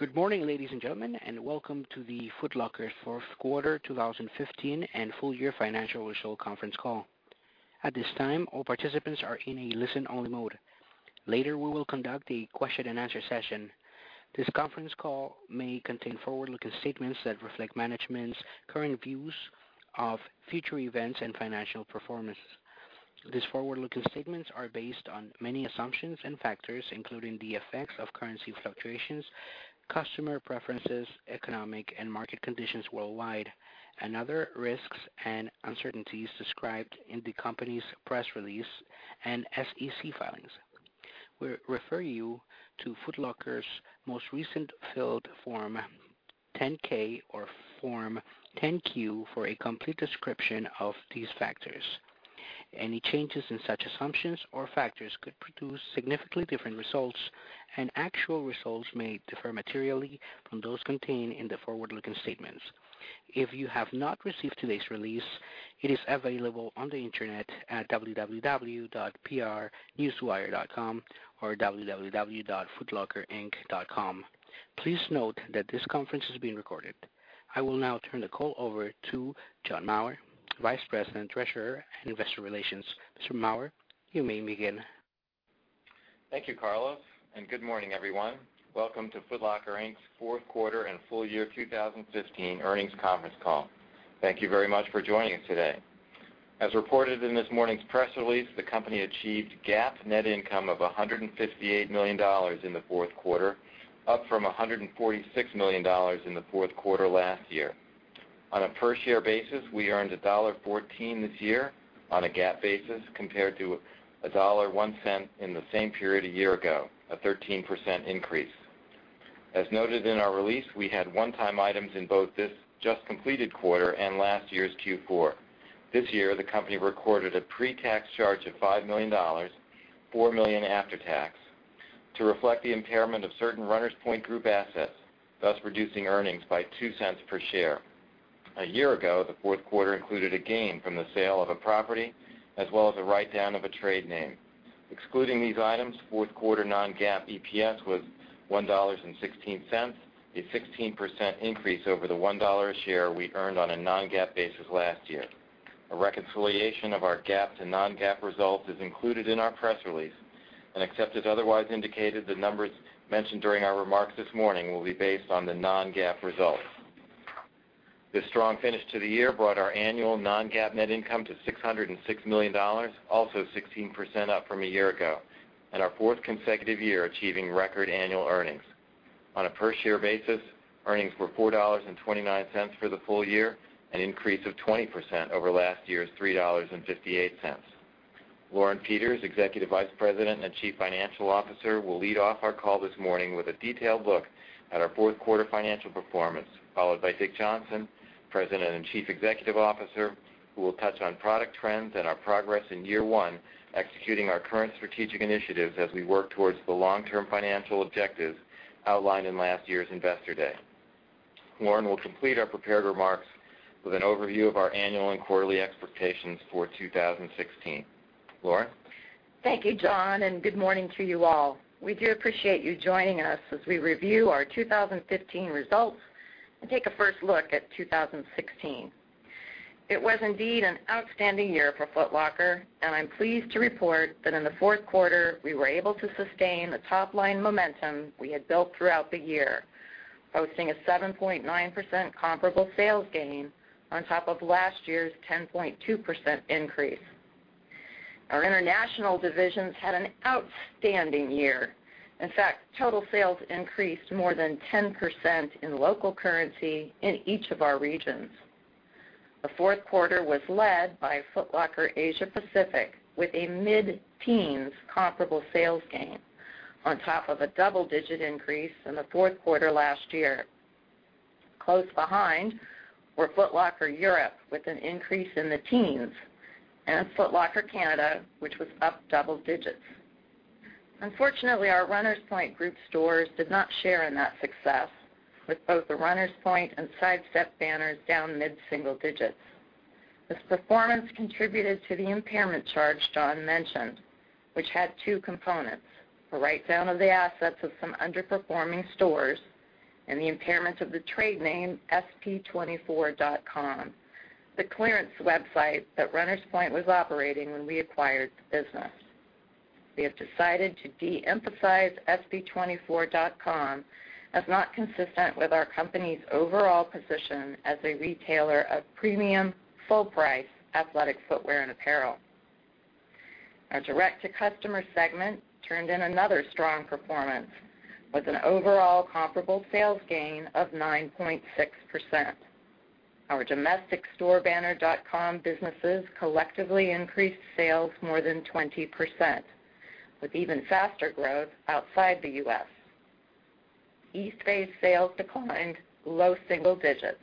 Good morning, ladies and gentlemen. Welcome to the Foot Locker fourth quarter 2015 and full year financial results conference call. At this time, all participants are in a listen-only mode. Later, we will conduct a question and answer session. This conference call may contain forward-looking statements that reflect management's current views of future events and financial performance. These forward-looking statements are based on many assumptions and factors, including the effects of currency fluctuations, customer preferences, economic and market conditions worldwide, and other risks and uncertainties described in the company's press release and SEC filings. We refer you to Foot Locker's most recent filed Form 10-K or Form 10-Q for a complete description of these factors. Any changes in such assumptions or factors could produce significantly different results, and actual results may differ materially from those contained in the forward-looking statements. If you have not received today's release, it is available on the internet at www.prnewswire.com or www.footlocker-inc.com. Please note that this conference is being recorded. I will now turn the call over to John Maurer, Vice President, Treasurer and Investor Relations. Mr. Maurer, you may begin. Thank you, Carlos. Good morning, everyone. Welcome to Foot Locker, Inc.'s fourth quarter and full year 2015 earnings conference call. Thank you very much for joining us today. As reported in this morning's press release, the company achieved GAAP net income of $158 million in the fourth quarter, up from $146 million in the fourth quarter last year. On a per-share basis, we earned $1.14 this year on a GAAP basis, compared to $1.01 in the same period a year ago, a 13% increase. As noted in our release, we had one-time items in both this just completed quarter and last year's Q4. This year, the company recorded a pre-tax charge of $5 million, $4 million after tax, to reflect the impairment of certain Runners Point Group assets, thus reducing earnings by $0.02 per share. A year ago, the fourth quarter included a gain from the sale of a property, as well as a write-down of a trade name. Excluding these items, fourth quarter non-GAAP EPS was $1.16, a 16% increase over the $1 a share we earned on a non-GAAP basis last year. A reconciliation of our GAAP to non-GAAP results is included in our press release, and except as otherwise indicated, the numbers mentioned during our remarks this morning will be based on the non-GAAP results. This strong finish to the year brought our annual non-GAAP net income to $606 million, also 16% up from a year ago, and our fourth consecutive year achieving record annual earnings. On a per-share basis, earnings were $4.29 for the full year, an increase of 20% over last year's $3.58. Lauren Peters, Executive Vice President and Chief Financial Officer, will lead off our call this morning with a detailed look at our fourth quarter financial performance, followed by Richard Johnson, President and Chief Executive Officer, who will touch on product trends and our progress in year one executing our current strategic initiatives as we work towards the long-term financial objectives outlined in last year's Investor Day. Lauren will complete our prepared remarks with an overview of our annual and quarterly expectations for 2016. Lauren? Thank you, John, and good morning to you all. We do appreciate you joining us as we review our 2015 results and take a first look at 2016. It was indeed an outstanding year for Foot Locker, and I'm pleased to report that in the fourth quarter, we were able to sustain the top-line momentum we had built throughout the year, posting a 7.9% comparable sales gain on top of last year's 10.2% increase. Our international divisions had an outstanding year. In fact, total sales increased more than 10% in local currency in each of our regions. The fourth quarter was led by Foot Locker Asia Pacific with a mid-teens comparable sales gain on top of a double-digit increase in the fourth quarter last year. Close behind were Foot Locker Europe with an increase in the teens and Foot Locker Canada, which was up double digits. Unfortunately, our Runners Point Group stores did not share in that success with both the Runners Point and Sidestep banners down mid-single digits. This performance contributed to the impairment charge John mentioned, which had two components, a write-down of the assets of some underperforming stores and the impairment of the trade name sp24.com, the clearance website that Runners Point was operating when we acquired the business. We have decided to de-emphasize sp24.com as not consistent with our company's overall position as a retailer of premium, full-price athletic footwear and apparel. Our direct-to-customer segment turned in another strong performance with an overall comparable sales gain of 9.6%. Our domestic store banner.com businesses collectively increased sales more than 20%, with even faster growth outside the U.S. Eastbay's sales declined low single digits,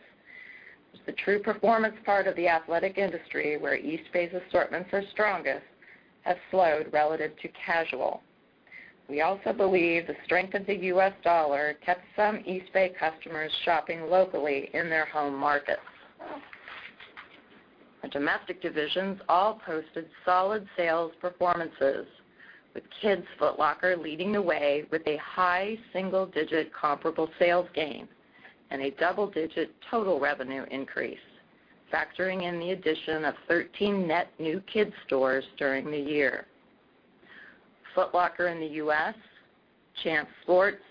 as the true performance part of the athletic industry, where Eastbay's assortments are strongest, has slowed relative to casual. We also believe the strength of the U.S. dollar kept some Eastbay customers shopping locally in their home markets. Our domestic divisions all posted solid sales performances with Kids Foot Locker leading the way with a high single-digit comparable sales gain and a double-digit total revenue increase, factoring in the addition of 13 net new kids stores during the year. Foot Locker in the U.S., Champs Sports,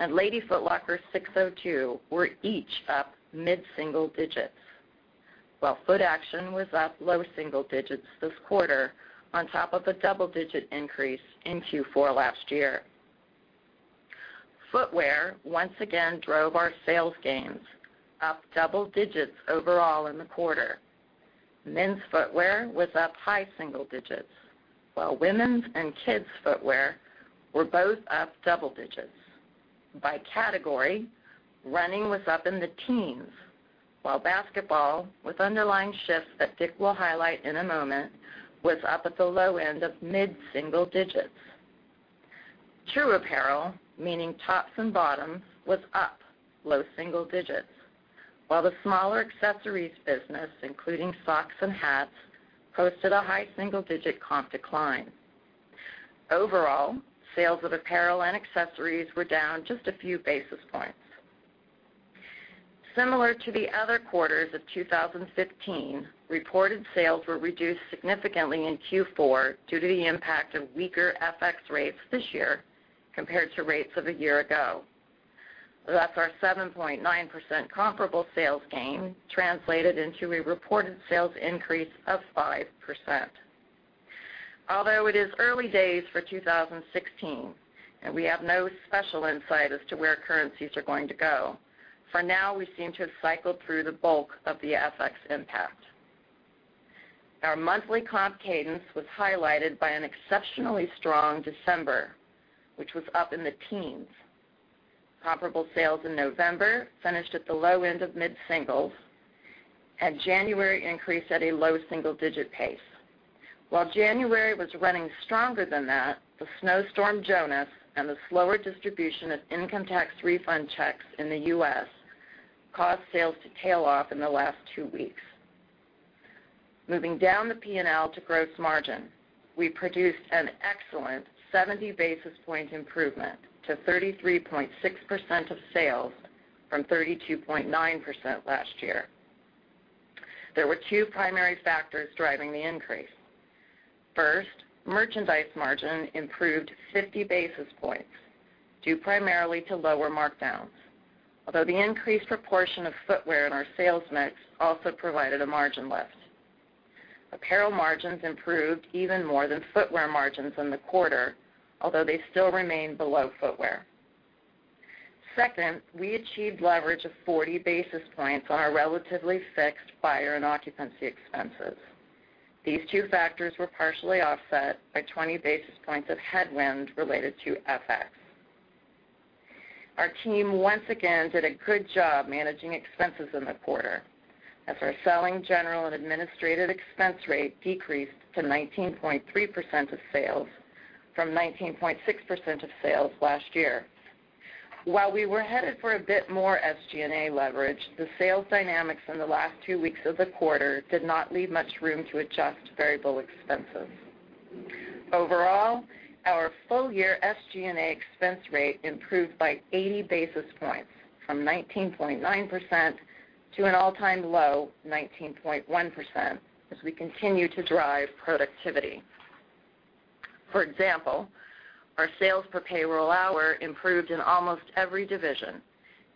and Lady Foot Locker SIX:02 were each up mid-single digits, while Footaction was up low single digits this quarter on top of a double-digit increase in Q4 last year. Footwear once again drove our sales gains, up double digits overall in the quarter. Men's footwear was up high single digits, while women's and kids' footwear were both up double digits. By category, running was up in the teens, while basketball, with underlying shifts that Dick will highlight in a moment, was up at the low end of mid-single digits. True apparel, meaning tops and bottoms, was up low single digits, while the smaller accessories business, including socks and hats, posted a high single-digit comp decline. Overall, sales of apparel and accessories were down just a few basis points. Similar to the other quarters of 2015, reported sales were reduced significantly in Q4 due to the impact of weaker FX rates this year compared to rates of a year ago. Thus, our 7.9% comparable sales gain translated into a reported sales increase of 5%. Although it is early days for 2016 and we have no special insight as to where currencies are going to go, for now, we seem to have cycled through the bulk of the FX impact. Our monthly comp cadence was highlighted by an exceptionally strong December, which was up in the teens. Comparable sales in November finished at the low end of mid-singles. January increased at a low single-digit pace. January was running stronger than that, the Winter Storm Jonas and the slower distribution of income tax refund checks in the U.S. caused sales to tail off in the last two weeks. Moving down the P&L to gross margin, we produced an excellent 70 basis point improvement to 33.6% of sales from 32.9% last year. There were two primary factors driving the increase. First, merchandise margin improved 50 basis points, due primarily to lower markdowns. Although the increased proportion of footwear in our sales mix also provided a margin lift. Apparel margins improved even more than footwear margins in the quarter, although they still remain below footwear. Second, we achieved leverage of 40 basis points on our relatively fixed buyer and occupancy expenses. These two factors were partially offset by 20 basis points of headwind related to FX. Our team once again did a good job managing expenses in the quarter as our selling, general, and administrative expense rate decreased to 19.3% of sales from 19.6% of sales last year. We were headed for a bit more SG&A leverage, the sales dynamics in the last two weeks of the quarter did not leave much room to adjust variable expenses. Overall, our full year SG&A expense rate improved by 80 basis points from 19.9% to an all-time low 19.1% as we continue to drive productivity. Example, our sales per payroll hour improved in almost every division,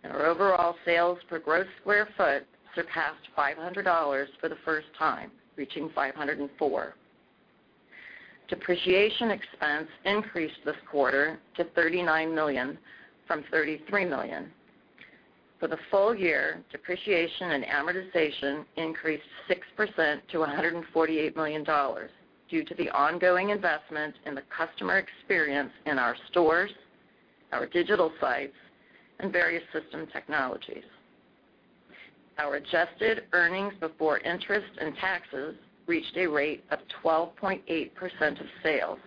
and our overall sales per gross square foot surpassed $500 for the first time, reaching $504. Depreciation expense increased this quarter to $39 million from $33 million. For the full year, depreciation and amortization increased 6% to $148 million due to the ongoing investment in the customer experience in our stores, our digital sites, and various system technologies. Our adjusted earnings before interest and taxes reached a rate of 12.8% of sales,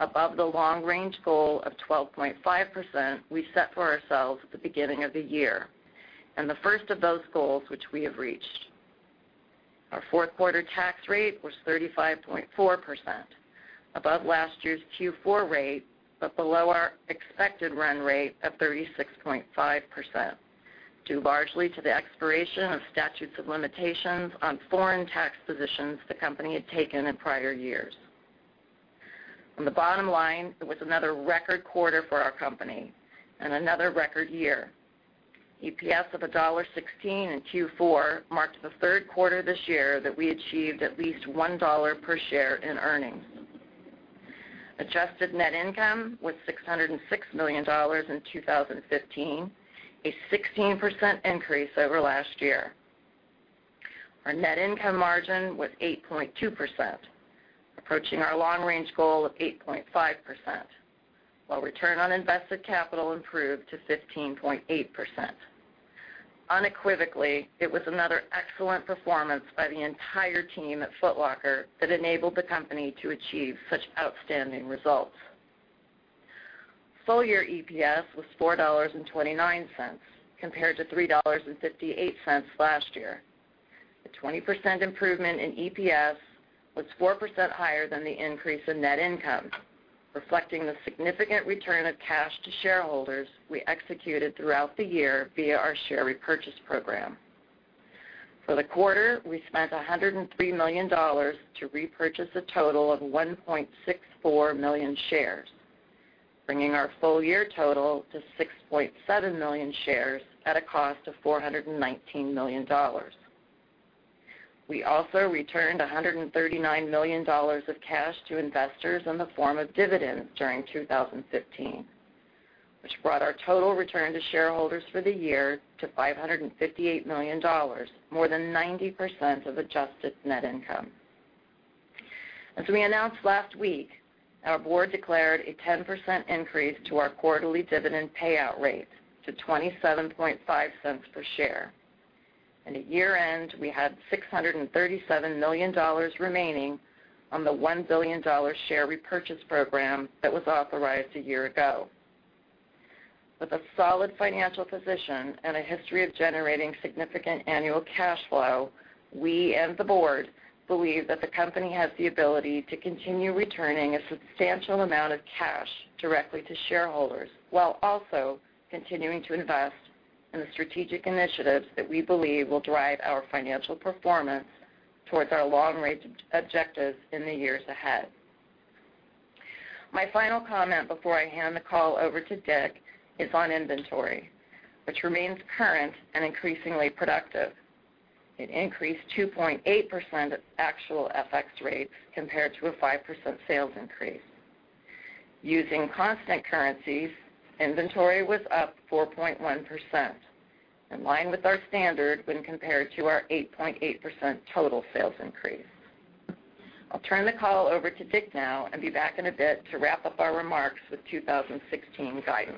above the long-range goal of 12.5% we set for ourselves at the beginning of the year, and the first of those goals which we have reached. Our fourth quarter tax rate was 35.4%, above last year's Q4 rate, but below our expected run rate of 36.5%, due largely to the expiration of statutes of limitations on foreign tax positions the company had taken in prior years. On the bottom line, it was another record quarter for our company and another record year. EPS of $1.16 in Q4 marked the third quarter this year that we achieved at least $1 per share in earnings. Adjusted net income was $606 million in 2015, a 16% increase over last year. Our net income margin was 8.2%, approaching our long-range goal of 8.5%, while return on invested capital improved to 15.8%. Unequivocally, it was another excellent performance by the entire team at Foot Locker that enabled the company to achieve such outstanding results. Full year EPS was $4.29 compared to $3.58 last year. The 20% improvement in EPS was 4% higher than the increase in net income, reflecting the significant return of cash to shareholders we executed throughout the year via our share repurchase program. For the quarter, we spent $103 million to repurchase a total of 1.64 million shares, bringing our full year total to 6.7 million shares at a cost of $419 million. We also returned $139 million of cash to investors in the form of dividends during 2015, which brought our total return to shareholders for the year to $558 million, more than 90% of adjusted net income. As we announced last week, our board declared a 10% increase to our quarterly dividend payout rate to $0.275 per share. At year-end, we had $637 million remaining on the $1 billion share repurchase program that was authorized a year ago. With a solid financial position and a history of generating significant annual cash flow, we and the board believe that the company has the ability to continue returning a substantial amount of cash directly to shareholders, while also continuing to invest in the strategic initiatives that we believe will drive our financial performance towards our long-range objectives in the years ahead. My final comment before I hand the call over to Dick is on inventory, which remains current and increasingly productive. It increased 2.8% at actual FX rates compared to a 5% sales increase. Using constant currencies, inventory was up 4.1%, in line with our standard when compared to our 8.8% total sales increase. I'll turn the call over to Dick now and be back in a bit to wrap up our remarks with 2016 guidance.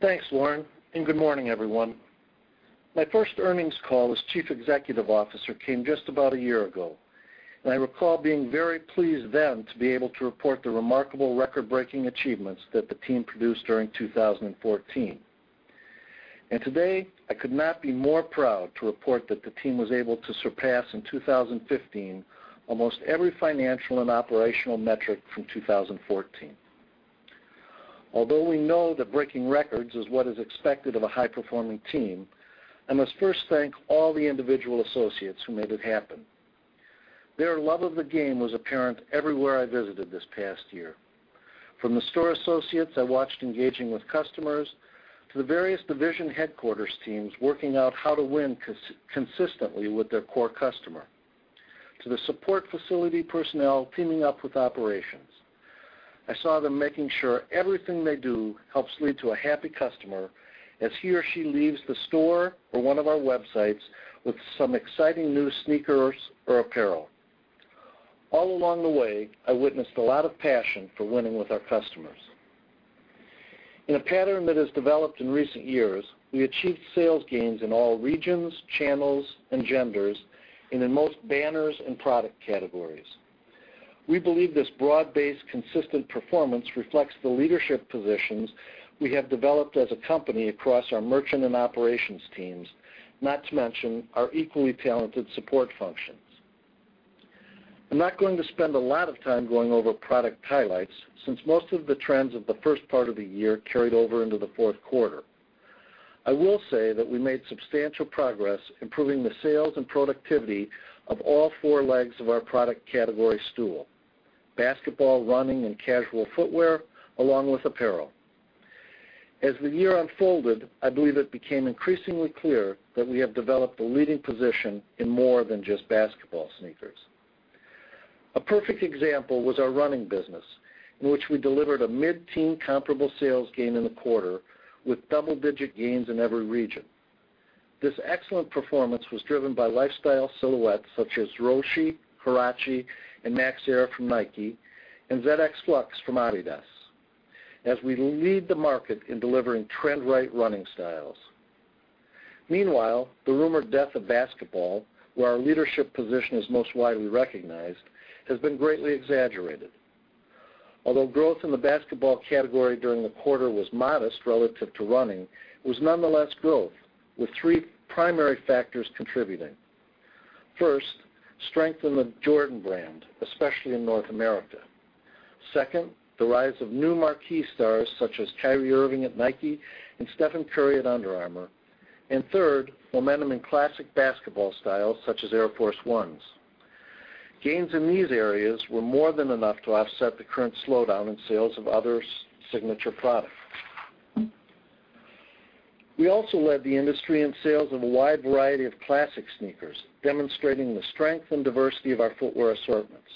Thanks, Lauren, good morning, everyone. My first earnings call as chief executive officer came just about a year ago. I recall being very pleased then to be able to report the remarkable record-breaking achievements that the team produced during 2014. Today, I could not be more proud to report that the team was able to surpass in 2015 almost every financial and operational metric from 2014. Although we know that breaking records is what is expected of a high-performing team, I must first thank all the individual associates who made it happen. Their love of the game was apparent everywhere I visited this past year. From the store associates I watched engaging with customers, to the various division headquarters teams working out how to win consistently with their core customer, to the support facility personnel teaming up with operations. I saw them making sure everything they do helps lead to a happy customer as he or she leaves the store or one of our websites with some exciting new sneakers or apparel. All along the way, I witnessed a lot of passion for winning with our customers. In a pattern that has developed in recent years, we achieved sales gains in all regions, channels, and genders and in most banners and product categories. We believe this broad-based consistent performance reflects the leadership positions we have developed as a company across our merchant and operations teams, not to mention our equally talented support functions. I'm not going to spend a lot of time going over product highlights since most of the trends of the first part of the year carried over into the fourth quarter. I will say that we made substantial progress improving the sales and productivity of all four legs of our product category stool: basketball, running, and casual footwear, along with apparel. As the year unfolded, I believe it became increasingly clear that we have developed a leading position in more than just basketball sneakers. A perfect example was our running business, in which we delivered a mid-teen comparable sales gain in the quarter with double-digit gains in every region. This excellent performance was driven by lifestyle silhouettes such as Roshe, Huarache, and Max Air from Nike and ZX Flux from Adidas, as we lead the market in delivering trend-right running styles. Meanwhile, the rumored death of basketball, where our leadership position is most widely recognized, has been greatly exaggerated. Although growth in the basketball category during the quarter was modest relative to running, it was nonetheless growth, with three primary factors contributing. First, strength in the Jordan Brand, especially in North America. Second, the rise of new marquee stars such as Kyrie Irving at Nike and Stephen Curry at Under Armour. Third, momentum in classic basketball styles such as Air Force 1s. Gains in these areas were more than enough to offset the current slowdown in sales of other signature products. We also led the industry in sales of a wide variety of classic sneakers, demonstrating the strength and diversity of our footwear assortments.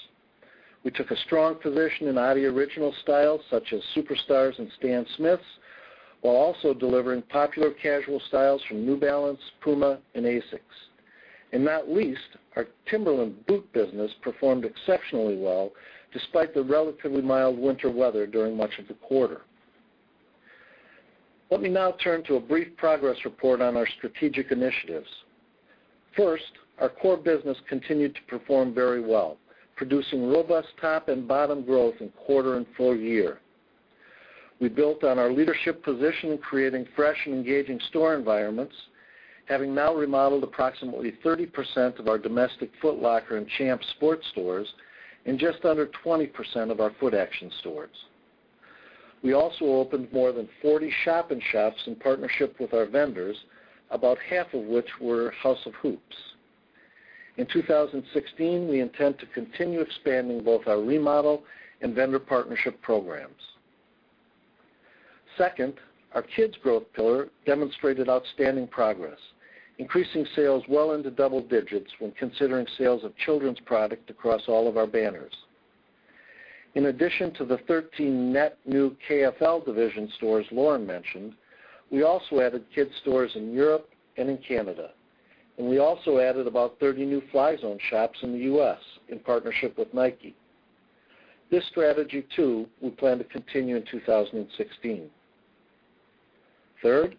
We took a strong position in Adi Original styles such as Superstars and Stan Smiths, while also delivering popular casual styles from New Balance, Puma, and ASICS. Not least, our Timberland boot business performed exceptionally well, despite the relatively mild winter weather during much of the quarter. Let me now turn to a brief progress report on our strategic initiatives. First, our core business continued to perform very well, producing robust top and bottom growth in quarter and full year. We built on our leadership position in creating fresh and engaging store environments, having now remodeled approximately 30% of our domestic Foot Locker and Champs Sports stores and just under 20% of our Footaction stores. We also opened more than 40 shop-in-shops in partnership with our vendors, about half of which were House of Hoops. In 2016, we intend to continue expanding both our remodel and vendor partnership programs. Second, our kids growth pillar demonstrated outstanding progress, increasing sales well into double digits when considering sales of children's product across all of our banners. In addition to the 13 net new KFL division stores Lauren mentioned, we also added kids stores in Europe and in Canada. We also added about 30 new FLY Zone shops in the U.S. in partnership with Nike. This strategy, too, we plan to continue in 2016. Third,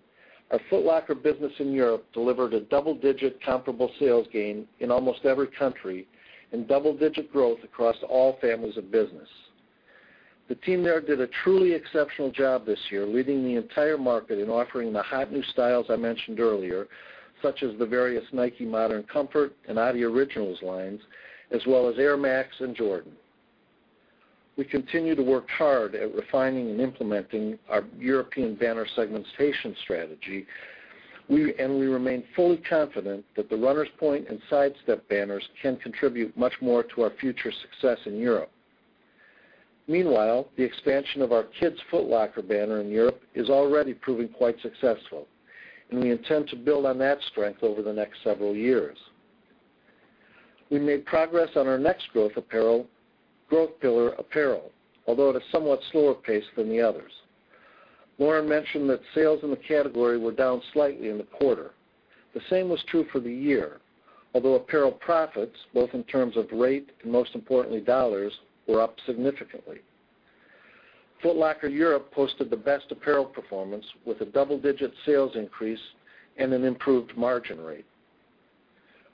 our Foot Locker business in Europe delivered a double-digit comparable sales gain in almost every country and double-digit growth across all families of business. The team there did a truly exceptional job this year, leading the entire market in offering the hot new styles I mentioned earlier, such as the various Nike Modern Comfort and adi Originals lines, as well as Air Max and Jordan. We continue to work hard at refining and implementing our European banner segmentation strategy. We remain fully confident that the Runners Point and Sidestep banners can contribute much more to our future success in Europe. Meanwhile, the expansion of our Kids Foot Locker banner in Europe is already proving quite successful. We intend to build on that strength over the next several years. We made progress on our next growth pillar, apparel, although at a somewhat slower pace than the others. Lauren mentioned that sales in the category were down slightly in the quarter. The same was true for the year, although apparel profits, both in terms of rate and most importantly, $, were up significantly. Foot Locker Europe posted the best apparel performance with a double-digit sales increase and an improved margin rate.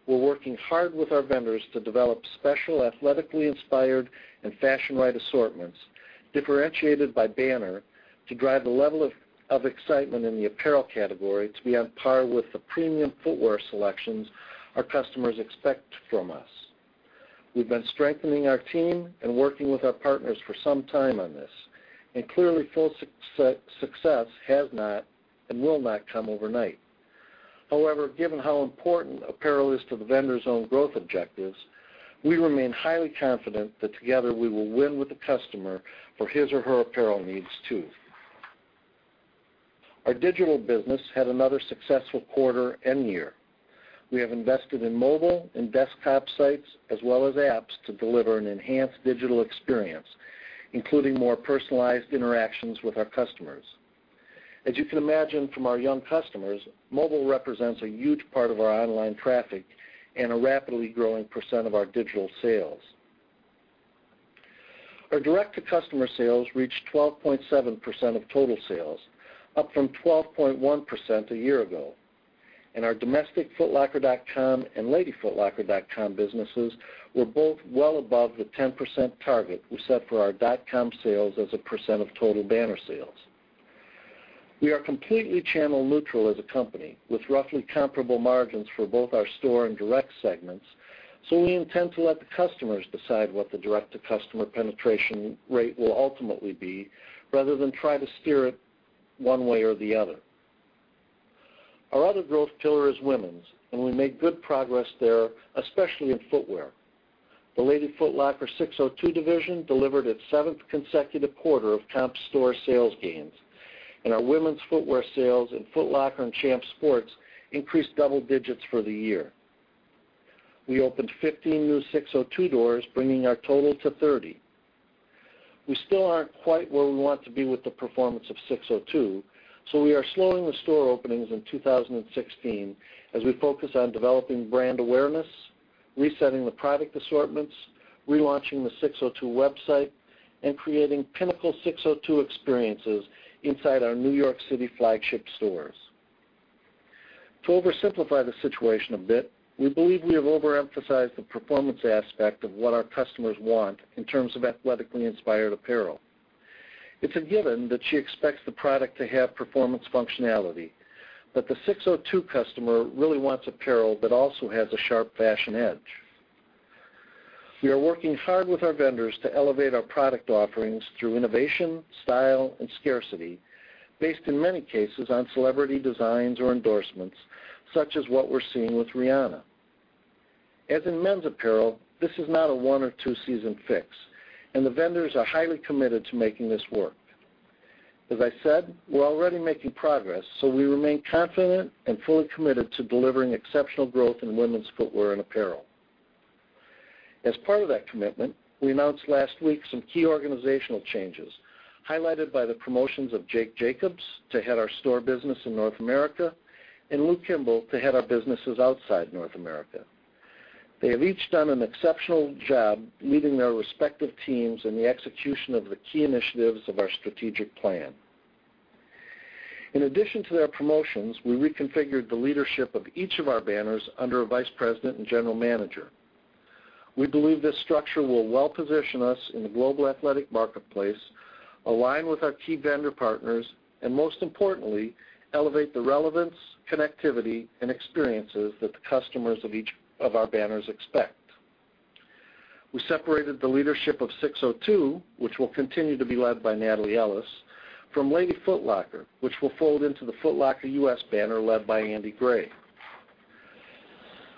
We're working hard with our vendors to develop special athletically inspired and fashion-right assortments, differentiated by banner, to drive the level of excitement in the apparel category to be on par with the premium footwear selections our customers expect from us. We've been strengthening our team and working with our partners for some time on this. Clearly, full success has not and will not come overnight. However, given how important apparel is to the vendors' own growth objectives, we remain highly confident that together we will win with the customer for his or her apparel needs, too. Our digital business had another successful quarter and year. We have invested in mobile and desktop sites as well as apps to deliver an enhanced digital experience, including more personalized interactions with our customers. As you can imagine from our young customers, mobile represents a huge part of our online traffic and a rapidly growing % of our digital sales. Our direct-to-customer sales reached 12.7% of total sales, up from 12.1% a year ago. Our domestic footlocker.com and ladyfootlocker.com businesses were both well above the 10% target we set for our dotcom sales as a % of total banner sales. We are completely channel-neutral as a company with roughly comparable margins for both our store and direct segments. We intend to let the customers decide what the direct-to-customer penetration rate will ultimately be rather than try to steer it one way or the other. Our other growth pillar is women's. We made good progress there, especially in footwear. The Lady Foot Locker SIX:02 division delivered its seventh consecutive quarter of comp store sales gains. Our women's footwear sales in Foot Locker and Champs Sports increased double digits for the year. We opened 15 new SIX:02 doors, bringing our total to 30. We still aren't quite where we want to be with the performance of SIX:02, so we are slowing the store openings in 2016 as we focus on developing brand awareness, resetting the product assortments, relaunching the SIX:02 website, and creating pinnacle SIX:02 experiences inside our New York City flagship stores. We believe we have overemphasized the performance aspect of what our customers want in terms of athletically inspired apparel. It's a given that she expects the product to have performance functionality, but the SIX:02 customer really wants apparel that also has a sharp fashion edge. We are working hard with our vendors to elevate our product offerings through innovation, style, and scarcity based in many cases on celebrity designs or endorsements, such as what we're seeing with Rihanna. As in men's apparel, this is not a one or two-season fix, and the vendors are highly committed to making this work. As I said, we're already making progress, so we remain confident and fully committed to delivering exceptional growth in women's footwear and apparel. As part of that commitment, we announced last week some key organizational changes highlighted by the promotions of Jake Jacobs to head our store business in North America and Lew Kimble to head our businesses outside North America. They have each done an exceptional job leading their respective teams in the execution of the key initiatives of our strategic plan. In addition to their promotions, we reconfigured the leadership of each of our banners under a vice president and general manager. We believe this structure will well position us in the global athletic marketplace, align with our key vendor partners, and most importantly, elevate the relevance, connectivity, and experiences that the customers of each of our banners expect. We separated the leadership of SIX:02, which will continue to be led by Natalie Ellis, from Lady Foot Locker, which will fold into the Foot Locker U.S. banner led by Andy Gray.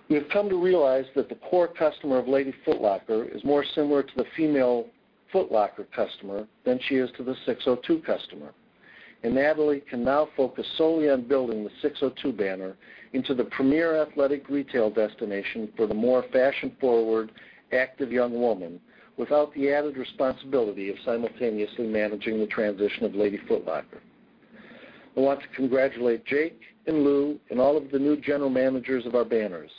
We have come to realize that the core customer of Lady Foot Locker is more similar to the female Foot Locker customer than she is to the SIX:02 customer. Natalie can now focus solely on building the SIX:02 banner into the premier athletic retail destination for the more fashion-forward, active young woman, without the added responsibility of simultaneously managing the transition of Lady Foot Locker. I want to congratulate Jake and Lou and all of the new general managers of our banners.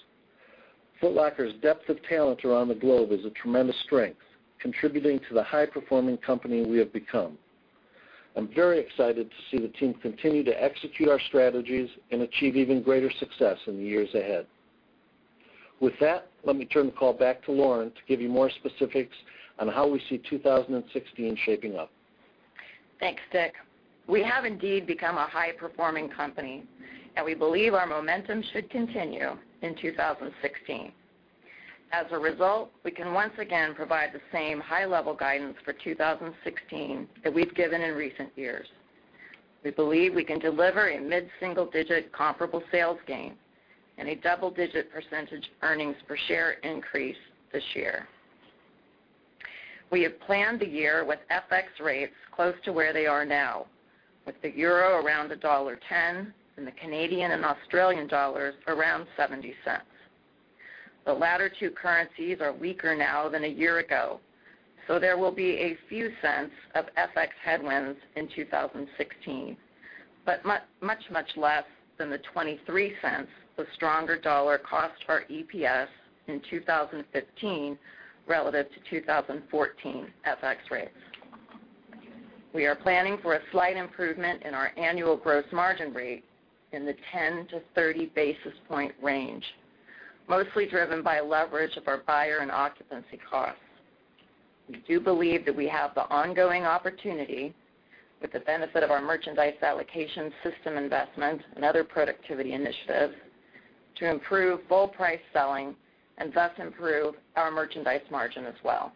Foot Locker's depth of talent around the globe is a tremendous strength, contributing to the high-performing company we have become. I'm very excited to see the team continue to execute our strategies and achieve even greater success in the years ahead. With that, let me turn the call back to Lauren to give you more specifics on how we see 2016 shaping up. Thanks, Dick. We have indeed become a high-performing company, and we believe our momentum should continue in 2016. As a result, we can once again provide the same high-level guidance for 2016 that we've given in recent years. We believe we can deliver a mid-single-digit comparable sales gain and a double-digit percentage earnings per share increase this year. We have planned the year with FX rates close to where they are now, with the euro around $1.10 and the Canadian and Australian dollars around $0.70. The latter two currencies are weaker now than a year ago, so there will be a few cents of FX headwinds in 2016, but much, much less than the $0.23 the stronger dollar cost for EPS in 2015 relative to 2014 FX rates. We are planning for a slight improvement in our annual gross margin rate in the 10 to 30 basis point range, mostly driven by leverage of our buyer and occupancy costs. We do believe that we have the ongoing opportunity, with the benefit of our merchandise allocation system investment and other productivity initiatives, to improve full price selling and thus improve our merchandise margin as well.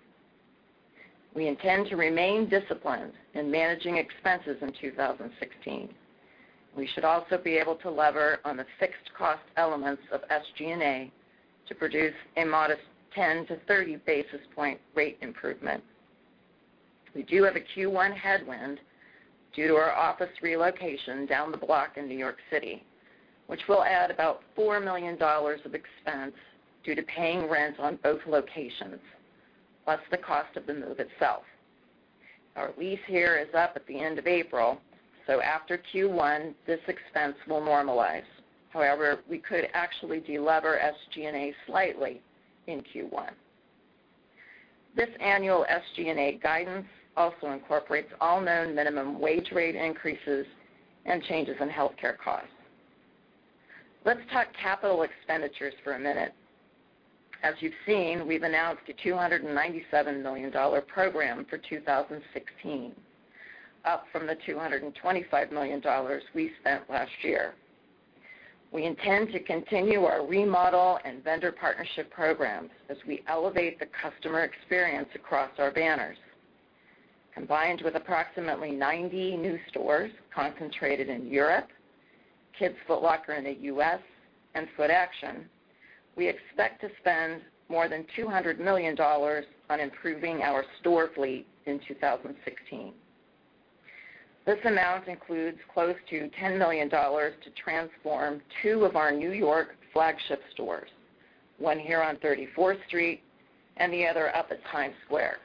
We intend to remain disciplined in managing expenses in 2016. We should also be able to lever on the fixed cost elements of SG&A to produce a modest 10 to 30 basis point rate improvement. We do have a Q1 headwind due to our office relocation down the block in New York City, which will add about $4 million of expense due to paying rent on both locations, plus the cost of the move itself. Our lease here is up at the end of April, so after Q1, this expense will normalize. We could actually de-lever SG&A slightly in Q1. This annual SG&A guidance also incorporates all known minimum wage rate increases and changes in healthcare costs. Let's talk capital expenditures for a minute. As you've seen, we've announced a $297 million program for 2016, up from the $225 million we spent last year. We intend to continue our remodel and vendor partnership programs as we elevate the customer experience across our banners. Combined with approximately 90 new stores concentrated in Europe, Kids Foot Locker in the U.S., and Footaction, we expect to spend more than $200 million on improving our store fleet in 2016. This amount includes close to $10 million to transform two of our New York flagship stores, one here on 34th Street and the other up at Times Square.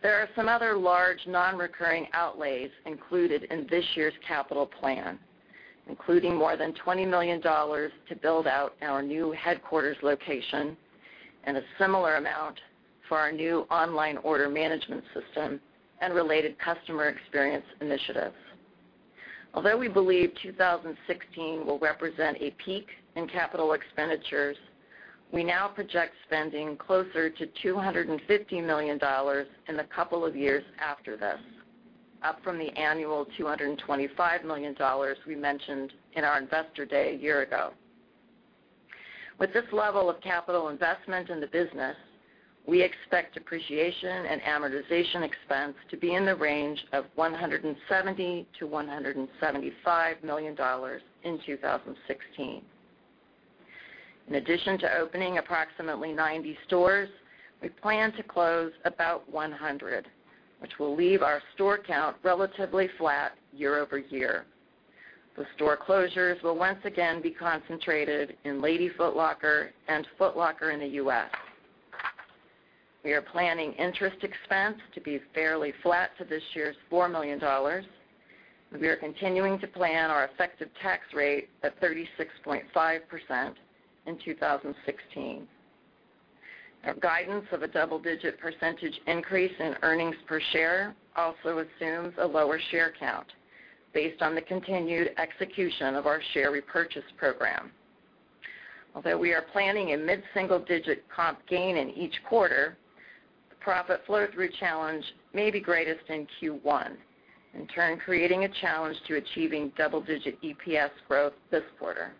There are some other large non-recurring outlays included in this year's capital plan, including more than $20 million to build out our new headquarters location and a similar amount for our new online order management system and related customer experience initiatives. We believe 2016 will represent a peak in capital expenditures, we now project spending closer to $250 million in the couple of years after this, up from the annual $225 million we mentioned in our investor day a year ago. With this level of capital investment in the business, we expect depreciation and amortization expense to be in the range of $170 million-$175 million in 2016. In addition to opening approximately 90 stores, we plan to close about 100, which will leave our store count relatively flat year-over-year. The store closures will once again be concentrated in Lady Foot Locker and Foot Locker in the U.S. We are planning interest expense to be fairly flat to this year's $4 million. We are continuing to plan our effective tax rate at 36.5% in 2016. Our guidance of a double-digit percentage increase in earnings per share also assumes a lower share count based on the continued execution of our share repurchase program. Although we are planning a mid-single-digit comp gain in each quarter, the profit flow-through challenge may be greatest in Q1, in turn creating a challenge to achieving double-digit EPS growth this quarter.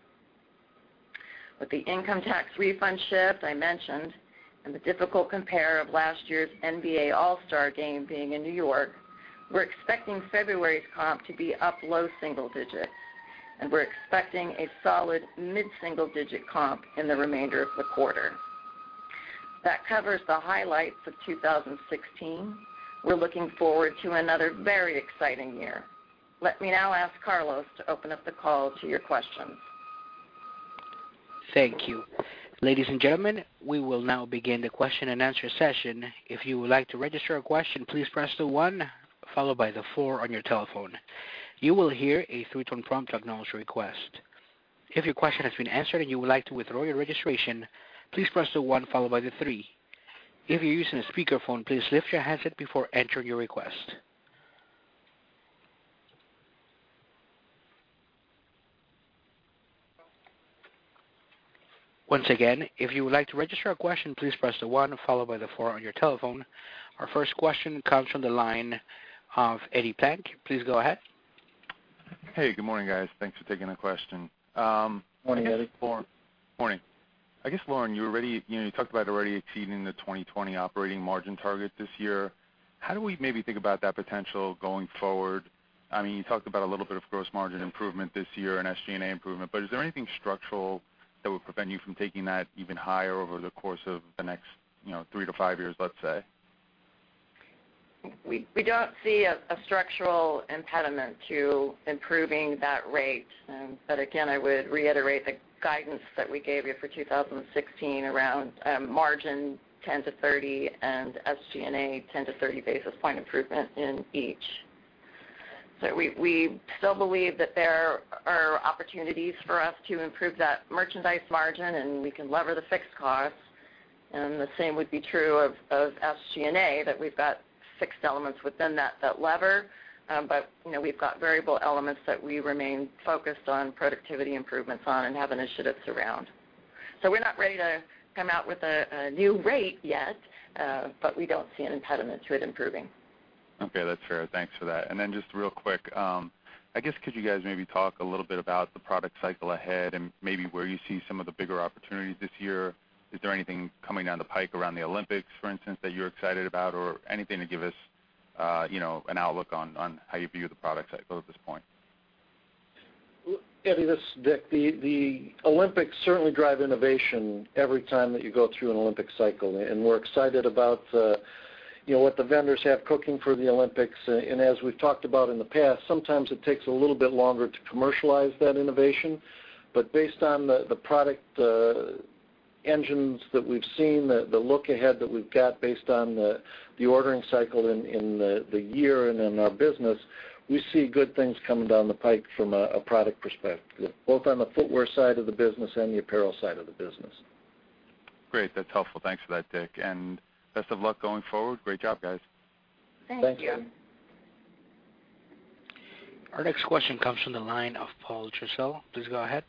With the income tax refund shift I mentioned and the difficult compare of last year's NBA All-Star Game being in New York, we're expecting February's comp to be up low single digits, and we're expecting a solid mid-single-digit comp in the remainder of the quarter. That covers the highlights of 2016. We're looking forward to another very exciting year. Let me now ask Carlos to open up the call to your questions. Thank you. Ladies and gentlemen, we will now begin the question and answer session. If you would like to register a question, please press the 1 followed by the 4 on your telephone. You will hear a three-tone prompt to acknowledge your request. If your question has been answered and you would like to withdraw your registration, please press the 1 followed by the 3. If you're using a speakerphone, please lift your handset before entering your request. Once again, if you would like to register a question, please press the 1 followed by the 4 on your telephone. Our first question comes from the line of Eddie Plank. Please go ahead. Hey, good morning, guys. Thanks for taking the question. Morning, Eddie. Morning. Morning. I guess, Lauren, you talked about already exceeding the 2020 operating margin target this year. How do we maybe think about that potential going forward? You talked about a little bit of gross margin improvement this year and SG&A improvement, is there anything structural that would prevent you from taking that even higher over the course of the next three to five years, let's say? We don't see a structural impediment to improving that rate. Again, I would reiterate the guidance that we gave you for 2016 around margin 10 to 30 and SG&A 10 to 30 basis point improvement in each. We still believe that there are opportunities for us to improve that merchandise margin, and we can lever the fixed costs. The same would be true of SG&A, that we've got fixed elements within that lever. We've got variable elements that we remain focused on productivity improvements on and have initiatives around. We're not ready to come out with a new rate yet, but we don't see an impediment to it improving. Okay, that's fair. Thanks for that. Then just real quick, I guess could you guys maybe talk a little bit about the product cycle ahead and maybe where you see some of the bigger opportunities this year? Is there anything coming down the pike around the Olympics, for instance, that you're excited about, or anything to give us an outlook on how you view the product cycle at this point? Eddie, this is Dick. The Olympics certainly drive innovation every time that you go through an Olympic cycle. We're excited about what the vendors have cooking for the Olympics. As we've talked about in the past, sometimes it takes a little bit longer to commercialize that innovation. Based on the product engines that we've seen, the look ahead that we've got based on the ordering cycle in the year and in our business, we see good things coming down the pike from a product perspective, both on the footwear side of the business and the apparel side of the business. Great. That's helpful. Thanks for that, Dick. Best of luck going forward. Great job, guys. Thank you. Thank you. Our next question comes from the line of Paul Trussell. Please go ahead.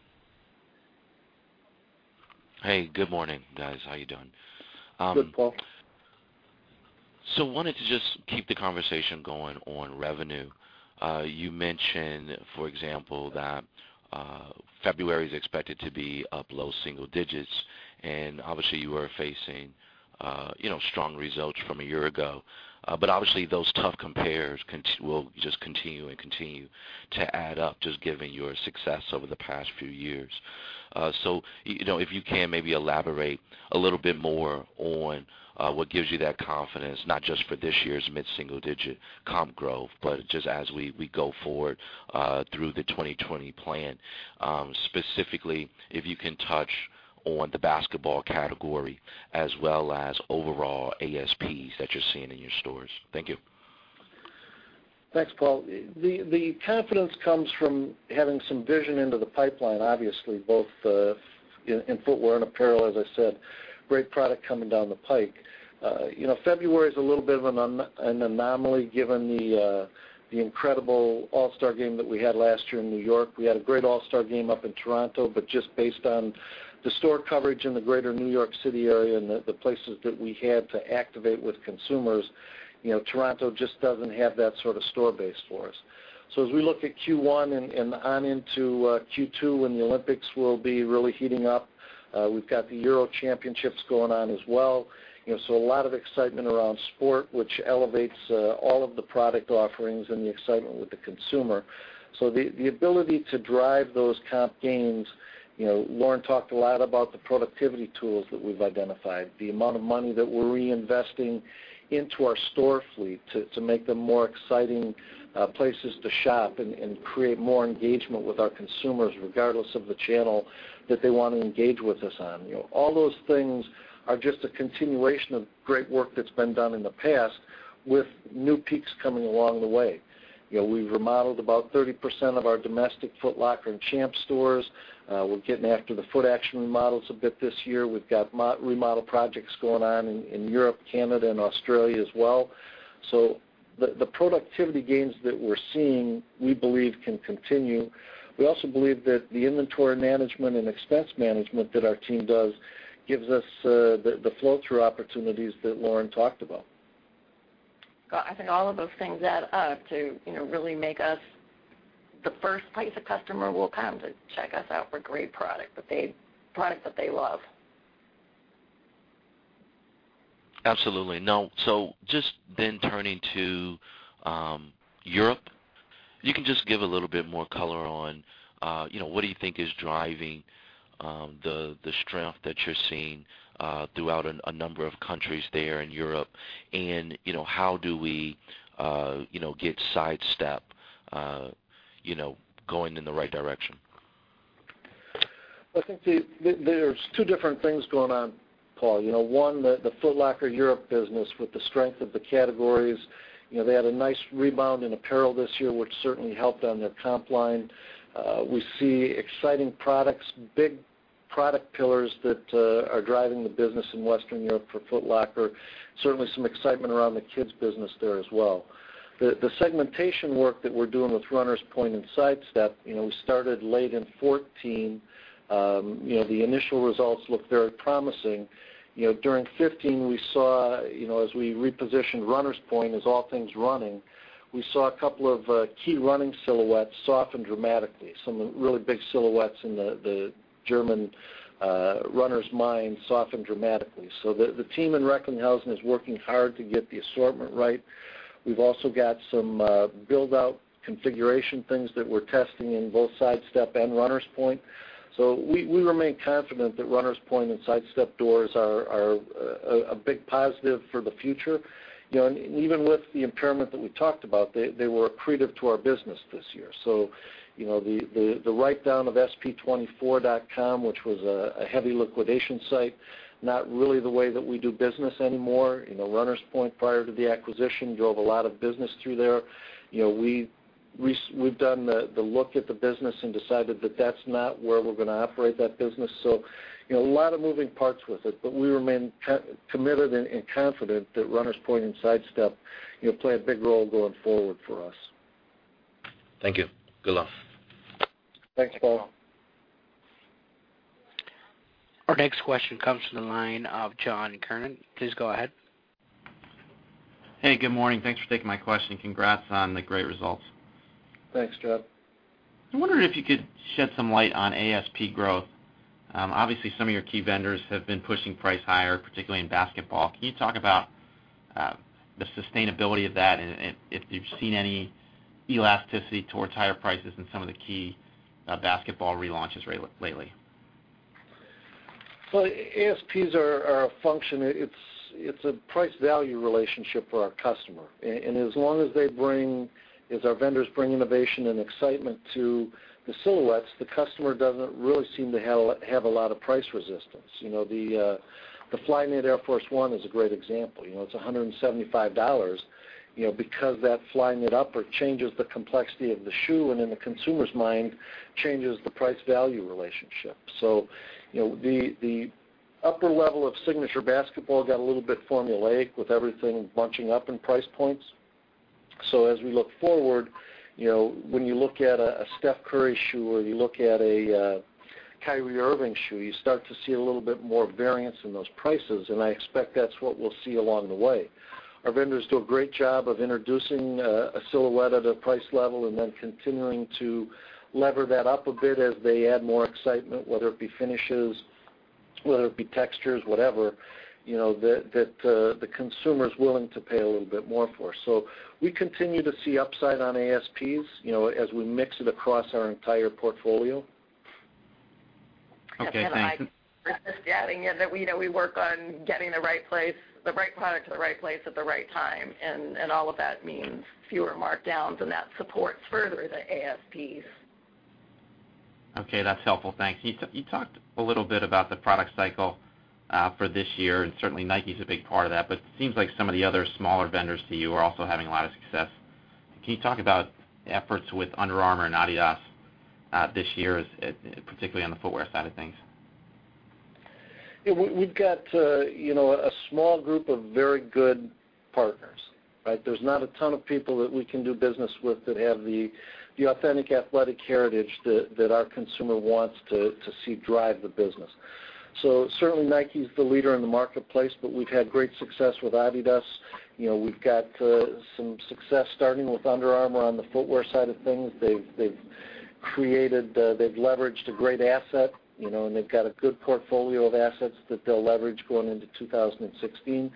Hey, good morning, guys. How you doing? Good, Paul. Wanted to just keep the conversation going on revenue. You mentioned, for example, that February is expected to be up low single digits, and obviously you are facing strong results from a year ago. Obviously those tough compares will just continue and continue to add up, just given your success over the past few years. If you can maybe elaborate a little bit more on what gives you that confidence, not just for this year's mid-single digit comp growth, but just as we go forward through the 2020 plan. Specifically, if you can touch on the basketball category as well as overall ASPs that you're seeing in your stores. Thank you. Thanks, Paul. The confidence comes from having some vision into the pipeline, obviously, both in footwear and apparel. As I said, great product coming down the pike. February is a little bit of an anomaly given the incredible All-Star Game that we had last year in New York. We had a great All-Star Game up in Toronto, but just based on the store coverage in the greater New York City area and the places that we had to activate with consumers, Toronto just doesn't have that sort of store base for us. As we look at Q1 and on into Q2 when the Olympics will be really heating up, we've got the Euro championships going on as well. A lot of excitement around sport, which elevates all of the product offerings and the excitement with the consumer. The ability to drive those comp gains, Lauren talked a lot about the productivity tools that we've identified, the amount of money that we're reinvesting into our store fleet to make them more exciting places to shop and create more engagement with our consumers, regardless of the channel that they want to engage with us on. All those things are just a continuation of great work that's been done in the past with new peaks coming along the way. We've remodeled about 30% of our domestic Foot Locker and Champs stores. We're getting after the Footaction remodels a bit this year. We've got remodel projects going on in Europe, Canada, and Australia as well. The productivity gains that we're seeing, we believe can continue. We also believe that the inventory management and expense management that our team does gives us the flow-through opportunities that Lauren talked about. I think all of those things add up to really make us the first place a customer will come to check us out for great product that they love. Absolutely. Now, just then turning to Europe. If you can just give a little bit more color on what do you think is driving the strength that you're seeing throughout a number of countries there in Europe and how do we get Sidestep going in the right direction? I think there's two different things going on, Paul. One, the Foot Locker Europe business with the strength of the categories. They had a nice rebound in apparel this year, which certainly helped on their comp line. We see exciting products, big product pillars that are driving the business in Western Europe for Foot Locker. Certainly, some excitement around the kids business there as well. The segmentation work that we're doing with Runners Point and Sidestep, we started late in 2014. The initial results look very promising. During 2015, as we repositioned Runners Point as all things running, we saw a couple of key running silhouettes soften dramatically. Some of the really big silhouettes in the German runner's mind softened dramatically. The team in Recklinghausen is working hard to get the assortment right. We've also got some build-out configuration things that we're testing in both Sidestep and Runners Point. We remain confident that Runners Point and Sidestep doors are a big positive for the future. Even with the impairment that we talked about, they were accretive to our business this year. The write-down of sp24.com, which was a heavy liquidation site, not really the way that we do business anymore. Runners Point, prior to the acquisition, drove a lot of business through there. We've done the look at the business and decided that that's not where we're going to operate that business. A lot of moving parts with it, but we remain committed and confident that Runners Point and Sidestep play a big role going forward for us. Thank you. Good luck. Thanks, Paul. Our next question comes from the line of John Kernan. Please go ahead. Hey, good morning. Thanks for taking my question. Congrats on the great results. Thanks, John. I wondered if you could shed some light on ASP growth. Obviously, some of your key vendors have been pushing price higher, particularly in basketball. Can you talk about the sustainability of that and if you've seen any elasticity towards higher prices in some of the key basketball relaunches lately? ASPs are a function. It's a price value relationship for our customer. As long as our vendors bring innovation and excitement to the silhouettes, the customer doesn't really seem to have a lot of price resistance. The Flyknit Air Force 1 is a great example. It's $175. Because that Flyknit upper changes the complexity of the shoe and in the consumer's mind, changes the price value relationship. The upper level of signature basketball got a little bit formulaic with everything bunching up in price points. As we look forward, when you look at a Steph Curry shoe or you look at a Kyrie Irving shoe, you start to see a little bit more variance in those prices, and I expect that's what we'll see along the way. Our vendors do a great job of introducing a silhouette at a price level and then continuing to lever that up a bit as they add more excitement, whether it be finishes, whether it be textures, whatever, that the consumer's willing to pay a little bit more for. We continue to see upside on ASPs as we mix it across our entire portfolio. Okay, thanks. Just adding in that we work on getting the right product to the right place at the right time, and all of that means fewer markdowns, and that supports further the ASPs. Okay, that's helpful. Thanks. You talked a little bit about the product cycle for this year, and certainly, Nike's a big part of that, but it seems like some of the other smaller vendors to you are also having a lot of success. Can you talk about efforts with Under Armour and Adidas this year, particularly on the footwear side of things? Yeah. We've got a small group of very good partners, right? There's not a ton of people that we can do business with that have the authentic athletic heritage that our consumer wants to see drive the business. Certainly, Nike's the leader in the marketplace, but we've had great success with Adidas. We've got some success starting with Under Armour on the footwear side of things. They've leveraged a great asset, and they've got a good portfolio of assets that they'll leverage going into 2016.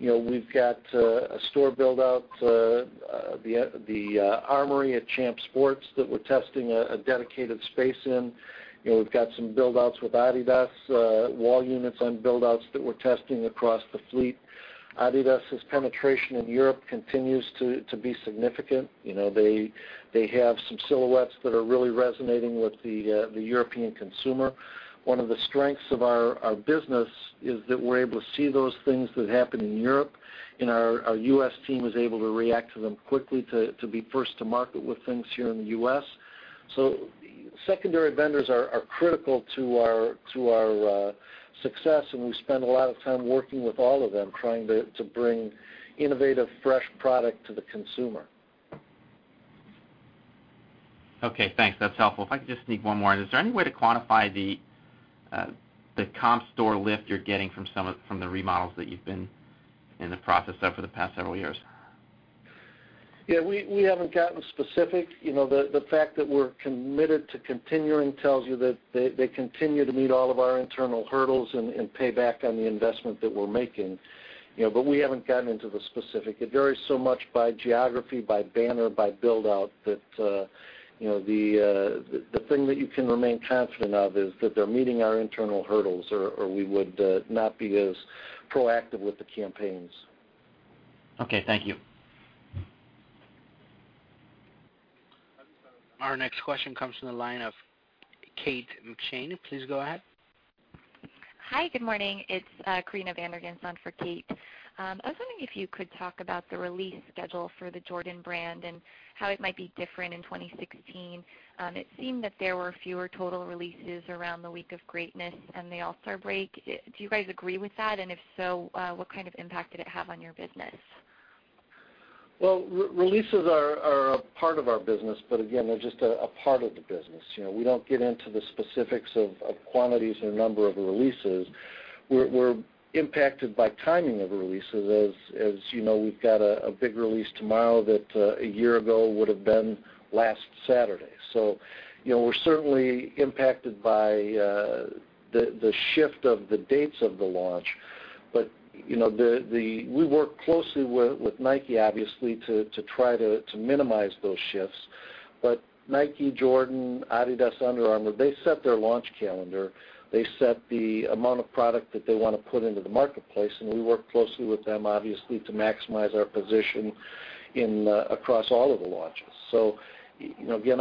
We've got a store build-out, The Armoury at Champs Sports that we're testing a dedicated space in. We've got some build-outs with Adidas, wall units on build-outs that we're testing across the fleet. Adidas's penetration in Europe continues to be significant. They have some silhouettes that are really resonating with the European consumer. One of the strengths of our business is that we're able to see those things that happen in Europe, and our U.S. team is able to react to them quickly to be first to market with things here in the U.S. Secondary vendors are critical to our success, and we spend a lot of time working with all of them, trying to bring innovative, fresh product to the consumer. Okay, thanks. That's helpful. If I could just sneak one more in. Is there any way to quantify the comp store lift you're getting from the remodels that you've been in the process of for the past several years? We haven't gotten specific. The fact that we're committed to continuing tells you that they continue to meet all of our internal hurdles and pay back on the investment that we're making. We haven't gotten into the specific. It varies so much by geography, by banner, by build-out that the thing that you can remain confident of is that they're meeting our internal hurdles, or we would not be as proactive with the campaigns. Okay, thank you. Our next question comes from the line of Kate McShane. Please go ahead. Hi. Good morning. It's Corinna van der Ghinst on for Kate. I was wondering if you could talk about the release schedule for the Jordan Brand and how it might be different in 2016. It seemed that there were fewer total releases around the Week of Greatness and the All-Star break. Do you guys agree with that? If so, what kind of impact did it have on your business? Releases are a part of our business, again, they're just a part of the business. We don't get into the specifics of quantities or number of releases. We're impacted by timing of releases. As you know, we've got a big release tomorrow that a year ago would've been last Saturday. We're certainly impacted by the shift of the dates of the launch. We work closely with Nike, obviously, to try to minimize those shifts. Nike, Jordan, Adidas, Under Armour, they set their launch calendar. They set the amount of product that they want to put into the marketplace, and we work closely with them, obviously, to maximize our position across all of the launches. Again,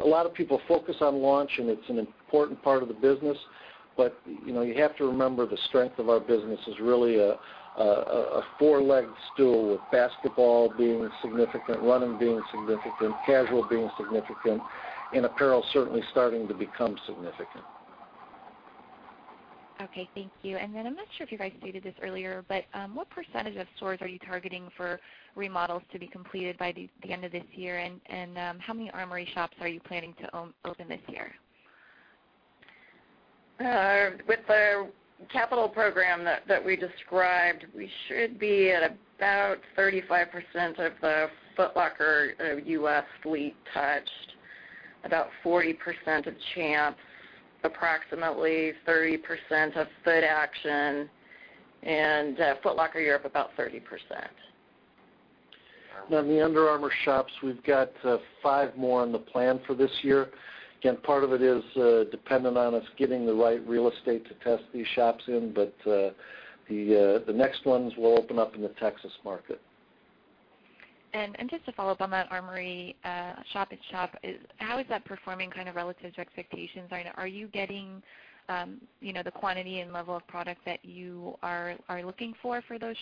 a lot of people focus on launch, and it's an important part of the business. You have to remember the strength of our business is really a four-legged stool, with basketball being significant, running being significant, casual being significant, and apparel certainly starting to become significant. Okay, thank you. I'm not sure if you guys stated this earlier, but what percentage of stores are you targeting for remodels to be completed by the end of this year? How many The Armoury shops are you planning to open this year? With the capital program that we described, we should be at about 35% of the Foot Locker U.S. fleet touched, about 40% of Champs, approximately 30% of Footaction, and Foot Locker Europe about 30%. On the Under Armour shops, we've got five more in the plan for this year. Again, part of it is dependent on us getting the right real estate to test these shops in. The next ones will open up in the Texas market. Just to follow up on that Armoury shop-in-shop, how is that performing kind of relative to expectations? Are you getting the quantity and level of product that you are looking for those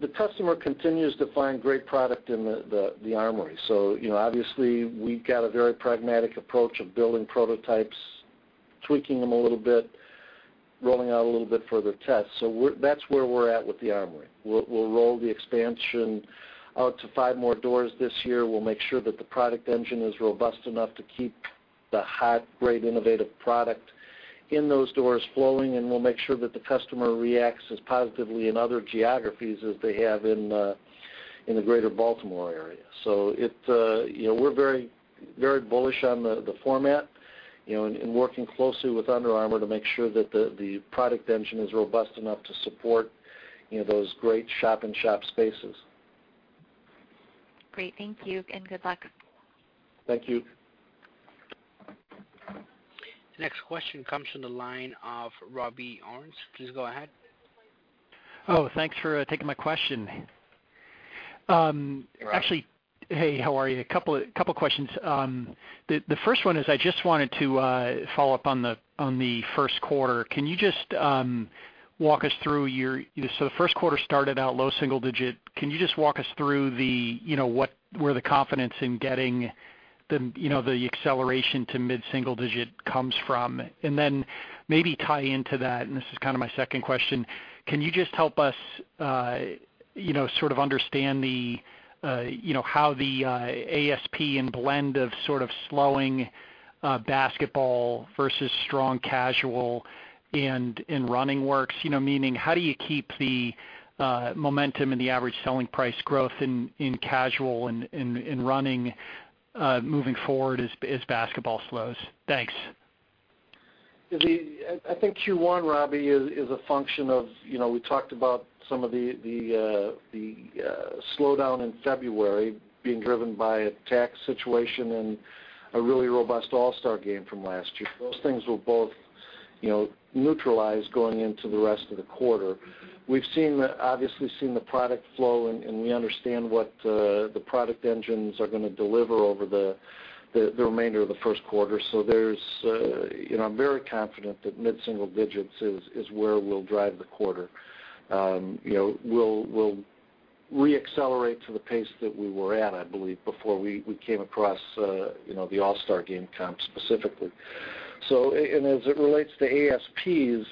shops? The customer continues to find great product in The Armoury. Obviously, we've got a very pragmatic approach of building prototypes, tweaking them a little bit, rolling out a little bit further tests. That's where we're at with The Armoury. We'll roll the expansion out to five more doors this year. We'll make sure that the product engine is robust enough to keep the hot, great, innovative product in those doors flowing, and we'll make sure that the customer reacts as positively in other geographies as they have in the Greater Baltimore area. We're very bullish on the format and working closely with Under Armour to make sure that the product engine is robust enough to support those great shop-in-shop spaces. Great. Thank you, and good luck. Thank you. The next question comes from the line of Robby Ohmes. Please go ahead. Oh, thanks for taking my question. You're welcome. Hey, how are you? A couple questions. The first one is I just wanted to follow up on the first quarter. The first quarter started out low single digit. Can you just walk us through where the confidence in getting the acceleration to mid-single digit comes from? Maybe tie into that, and this is kind of my second question, can you just help us sort of understand how the ASP and blend of sort of slowing basketball versus strong casual and in running works? Meaning, how do you keep the momentum and the average selling price growth in casual and in running moving forward as basketball slows? Thanks. I think Q1, Robby, is a function of, we talked about some of the slowdown in February being driven by a tax situation and a really robust All-Star Game from last year. Those things will both neutralize going into the rest of the quarter. We've obviously seen the product flow. We understand what the product engines are going to deliver over the remainder of the first quarter. I'm very confident that mid-single digits is where we'll drive the quarter. We'll re-accelerate to the pace that we were at, I believe, before we came across the All-Star Game comp specifically. As it relates to ASPs,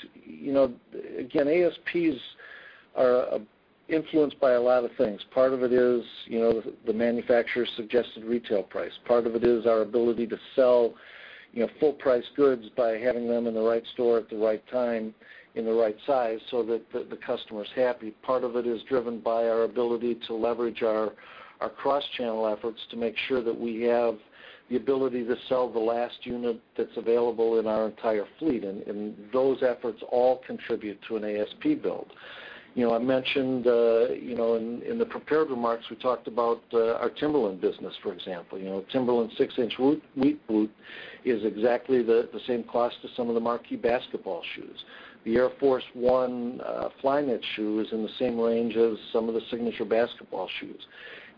again, ASPs are influenced by a lot of things. Part of it is the manufacturer's suggested retail price. Part of it is our ability to sell full-price goods by having them in the right store at the right time in the right size so that the customer's happy. Part of it is driven by our ability to leverage our cross-channel efforts to make sure that we have the ability to sell the last unit that's available in our entire fleet. Those efforts all contribute to an ASP build. I mentioned in the prepared remarks, we talked about our Timberland business, for example. Timberland six-inch wheat boot is exactly the same cost as some of the marquee basketball shoes. The Air Force 1 Flyknit shoe is in the same range as some of the signature basketball shoes.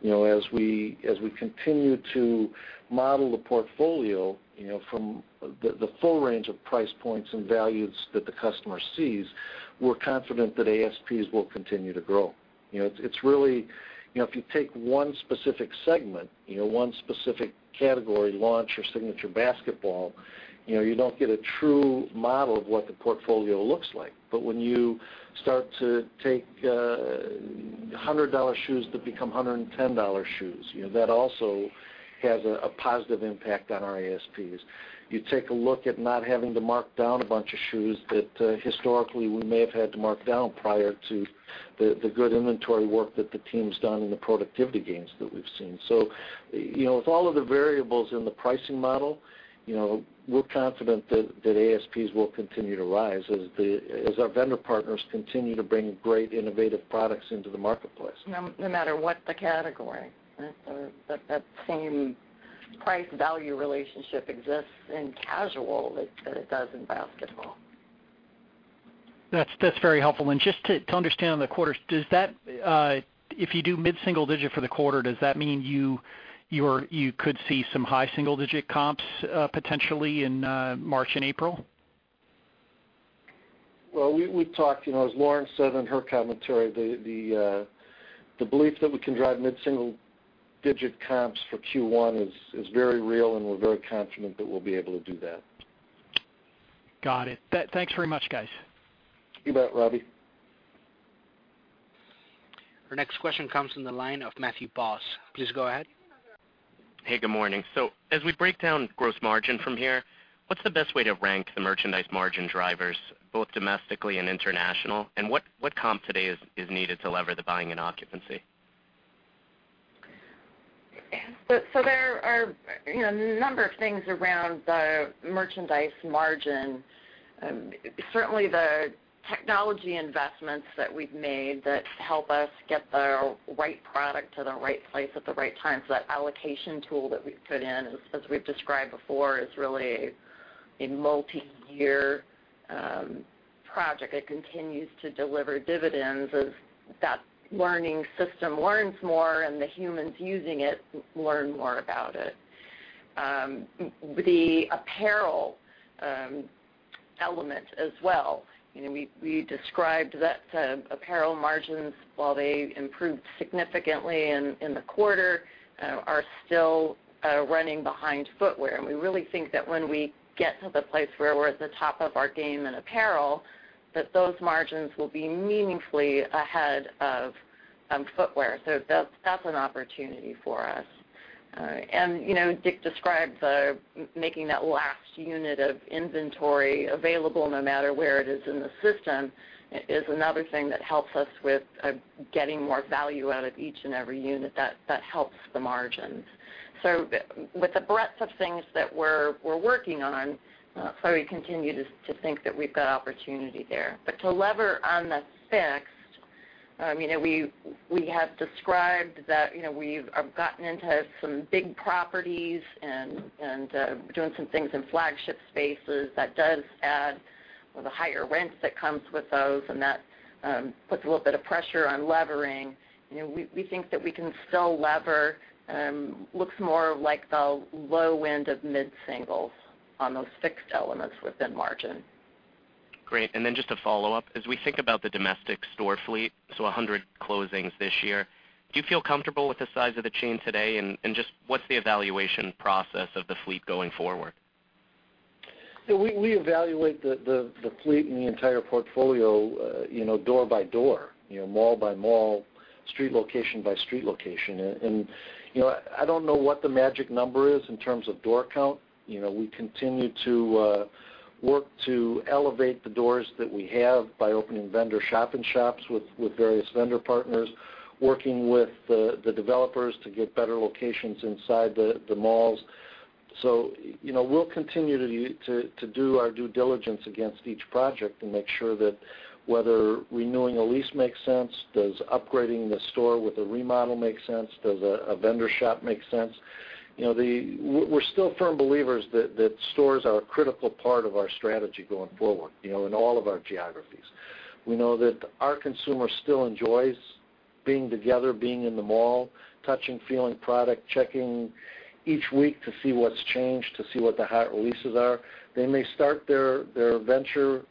As we continue to model the portfolio from the full range of price points and values that the customer sees, we're confident that ASPs will continue to grow. If you take one specific segment, one specific category launch or signature basketball, you don't get a true model of what the portfolio looks like. When you start to take $100 shoes that become $110 shoes, that also has a positive impact on our ASPs. You take a look at not having to mark down a bunch of shoes that historically we may have had to mark down prior to the good inventory work that the team's done and the productivity gains that we've seen. With all of the variables in the pricing model, we're confident that ASPs will continue to rise as our vendor partners continue to bring great innovative products into the marketplace. No matter what the category. That same price value relationship exists in casual as it does in basketball. That's very helpful. Just to understand on the quarter, if you do mid-single digit for the quarter, does that mean you could see some high single-digit comps potentially in March and April? Well, we've talked, as Lauren said in her commentary, the belief that we can drive mid-single digit comps for Q1 is very real, and we're very confident that we'll be able to do that. Got it. Thanks very much, guys. You bet, Robby. Our next question comes from the line of Matthew Boss. Please go ahead. Hey, good morning. As we break down gross margin from here, what's the best way to rank the merchandise margin drivers, both domestically and international? What comp today is needed to lever the buying and occupancy? There are a number of things around the merchandise margin. Certainly, the technology investments that we've made that help us get the right product to the right place at the right time. That allocation tool that we put in, as we've described before, is really a multi-year project. It continues to deliver dividends as that learning system learns more and the humans using it learn more about it. The apparel element as well. We described that apparel margins, while they improved significantly in the quarter, are still running behind footwear. We really think that when we get to the place where we're at the top of our game in apparel, that those margins will be meaningfully ahead of footwear. That's an opportunity for us. Dick described making that last unit of inventory available no matter where it is in the system is another thing that helps us with getting more value out of each and every unit. That helps the margins. With the breadth of things that we're working on, we continue to think that we've got opportunity there. To lever on the fixed, we have described that we've gotten into some big properties and doing some things in flagship spaces that does add the higher rents that comes with those, and that puts a little bit of pressure on levering. We think that we can still lever. Looks more like the low end of mid-singles on those fixed elements within margin. Great. Just a follow-up. As we think about the domestic store fleet, 100 closings this year, do you feel comfortable with the size of the chain today? Just what's the evaluation process of the fleet going forward? We evaluate the fleet and the entire portfolio door by door, mall by mall, street location by street location. I don't know what the magic number is in terms of door count. We continue to work to elevate the doors that we have by opening vendor shop-in-shops with various vendor partners, working with the developers to get better locations inside the malls. We'll continue to do our due diligence against each project and make sure that whether renewing a lease makes sense, does upgrading the store with a remodel make sense? Does a vendor shop make sense? We're still firm believers that stores are a critical part of our strategy going forward, in all of our geographies. We know that our consumer still enjoys being together, being in the mall, touching, feeling product, checking each week to see what's changed, to see what the hot releases are. They may start their adventure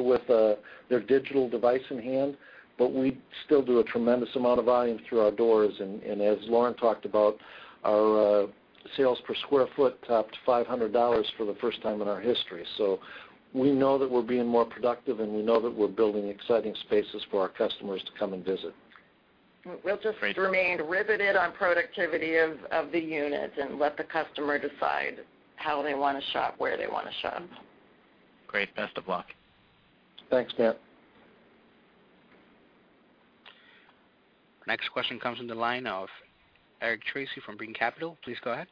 with their digital device in hand, we still do a tremendous amount of volume through our doors. As Lauren talked about, our sales per square foot topped $500 for the first time in our history. We know that we're being more productive, we know that we're building exciting spaces for our customers to come and visit. We'll just remain riveted on productivity of the unit and let the customer decide how they want to shop, where they want to shop. Great. Best of luck. Thanks, Matt. Next question comes on the line of Eric Tracy from Brean Capital. Please go ahead.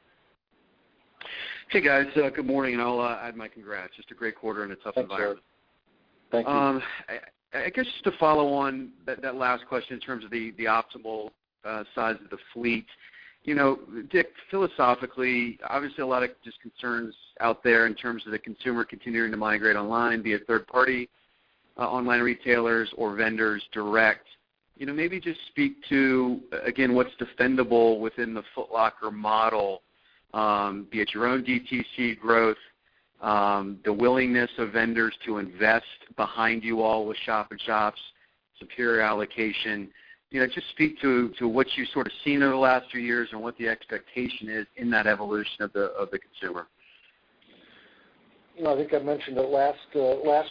Hey, guys. Good morning. I'll add my congrats. Just a great quarter in a tough environment. Thanks, Eric. Thank you. I guess just to follow on that last question in terms of the optimal size of the fleet. Dick, philosophically, obviously, a lot of just concerns out there in terms of the consumer continuing to migrate online, be it third party online retailers or vendors direct. Just speak to, again, what's defendable within the Foot Locker model, be it your own DTC growth, the willingness of vendors to invest behind you all with shop-in-shops, superior allocation. Just speak to what you've sort of seen over the last few years and what the expectation is in that evolution of the consumer. I think I mentioned it last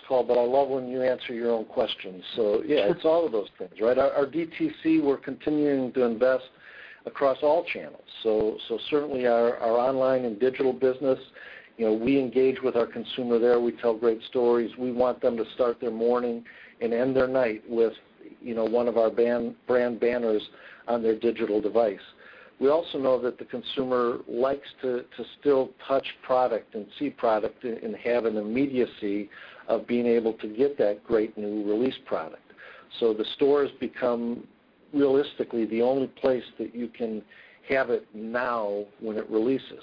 call. I love when you answer your own questions. Yeah, it's all of those things, right? Our DTC, we're continuing to invest across all channels. Certainly, our online and digital business, we engage with our consumer there. We tell great stories. We want them to start their morning and end their night with one of our brand banners on their digital device. We also know that the consumer likes to still touch product and see product and have an immediacy of being able to get that great new release product. The store has become, realistically, the only place that you can have it now when it releases.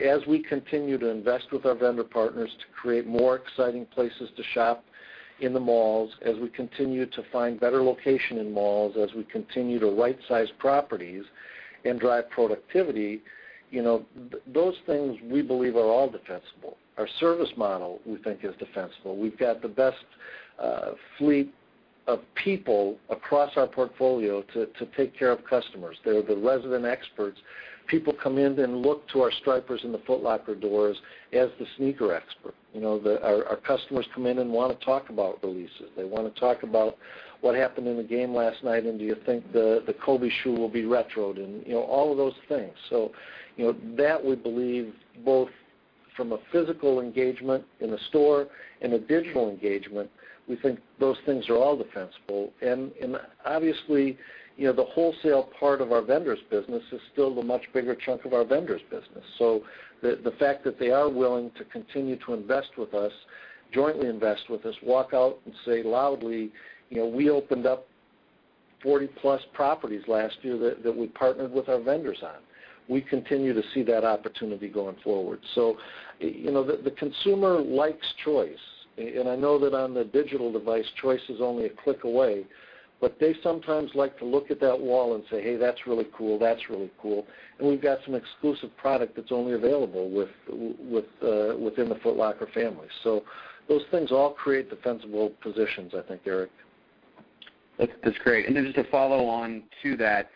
as we continue to invest with our vendor partners to create more exciting places to shop in the malls, as we continue to find better location in malls, as we continue to right-size properties and drive productivity, those things we believe are all defensible. Our service model, we think, is defensible. We've got the best fleet of people across our portfolio to take care of customers. They're the resident experts. People come in and look to our Stripers in the Foot Locker doors as the sneaker expert. Our customers come in and want to talk about releases. They want to talk about what happened in the game last night, and do you think the Kobe shoe will be retroed? All of those things. That we believe both from a physical engagement in a store and a digital engagement, we think those things are all defensible. Obviously, the wholesale part of our vendors business is still the much bigger chunk of our vendors business. The fact that they are willing to continue to invest with us, jointly invest with us, walk out and say loudly, we opened up 40+ properties last year that we partnered with our vendors on. We continue to see that opportunity going forward. The consumer likes choice. I know that on the digital device, choice is only a click away, but they sometimes like to look at that wall and say, "Hey, that's really cool. That's really cool." We've got some exclusive product that's only available within the Foot Locker family. Those things all create defensible positions, I think, Eric. That's great. Then just to follow on to that,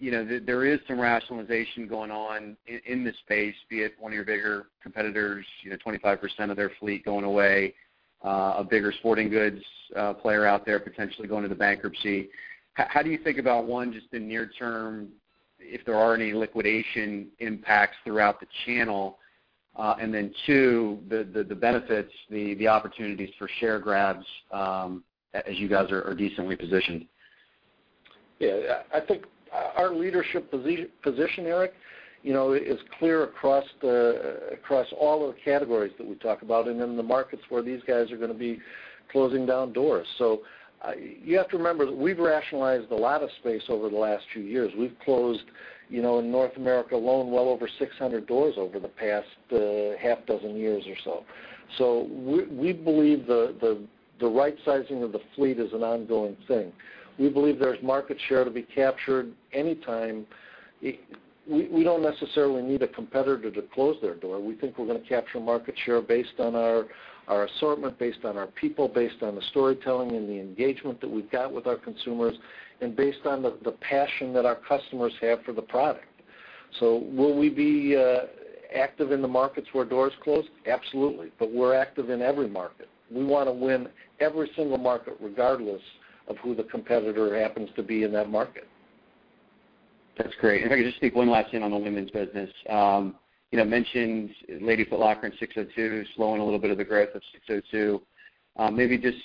there is some rationalization going on in the space, be it one of your bigger competitors, 25% of their fleet going away, a bigger sporting goods player out there potentially going into bankruptcy. How do you think about, one, just the near term, if there are any liquidation impacts throughout the channel, and then two, the benefits, the opportunities for share grabs as you guys are decently positioned? Yeah. I think our leadership position, Eric, is clear across all of the categories that we talk about and in the markets where these guys are going to be closing down doors. You have to remember that we've rationalized a lot of space over the last few years. We've closed, in North America alone, well over 600 doors over the past half dozen years or so. We believe the right sizing of the fleet is an ongoing thing. We believe there's market share to be captured anytime. We don't necessarily need a competitor to close their door. We think we're going to capture market share based on our assortment, based on our people, based on the storytelling and the engagement that we've got with our consumers, and based on the passion that our customers have for the product. Will we be active in the markets where doors close? Absolutely. We're active in every market. We want to win every single market, regardless of who the competitor happens to be in that market. That's great. If I could just sneak one last thing on the women's business. You mentioned Lady Foot Locker and SIX:02, slowing a little bit of the growth of SIX:02. Maybe just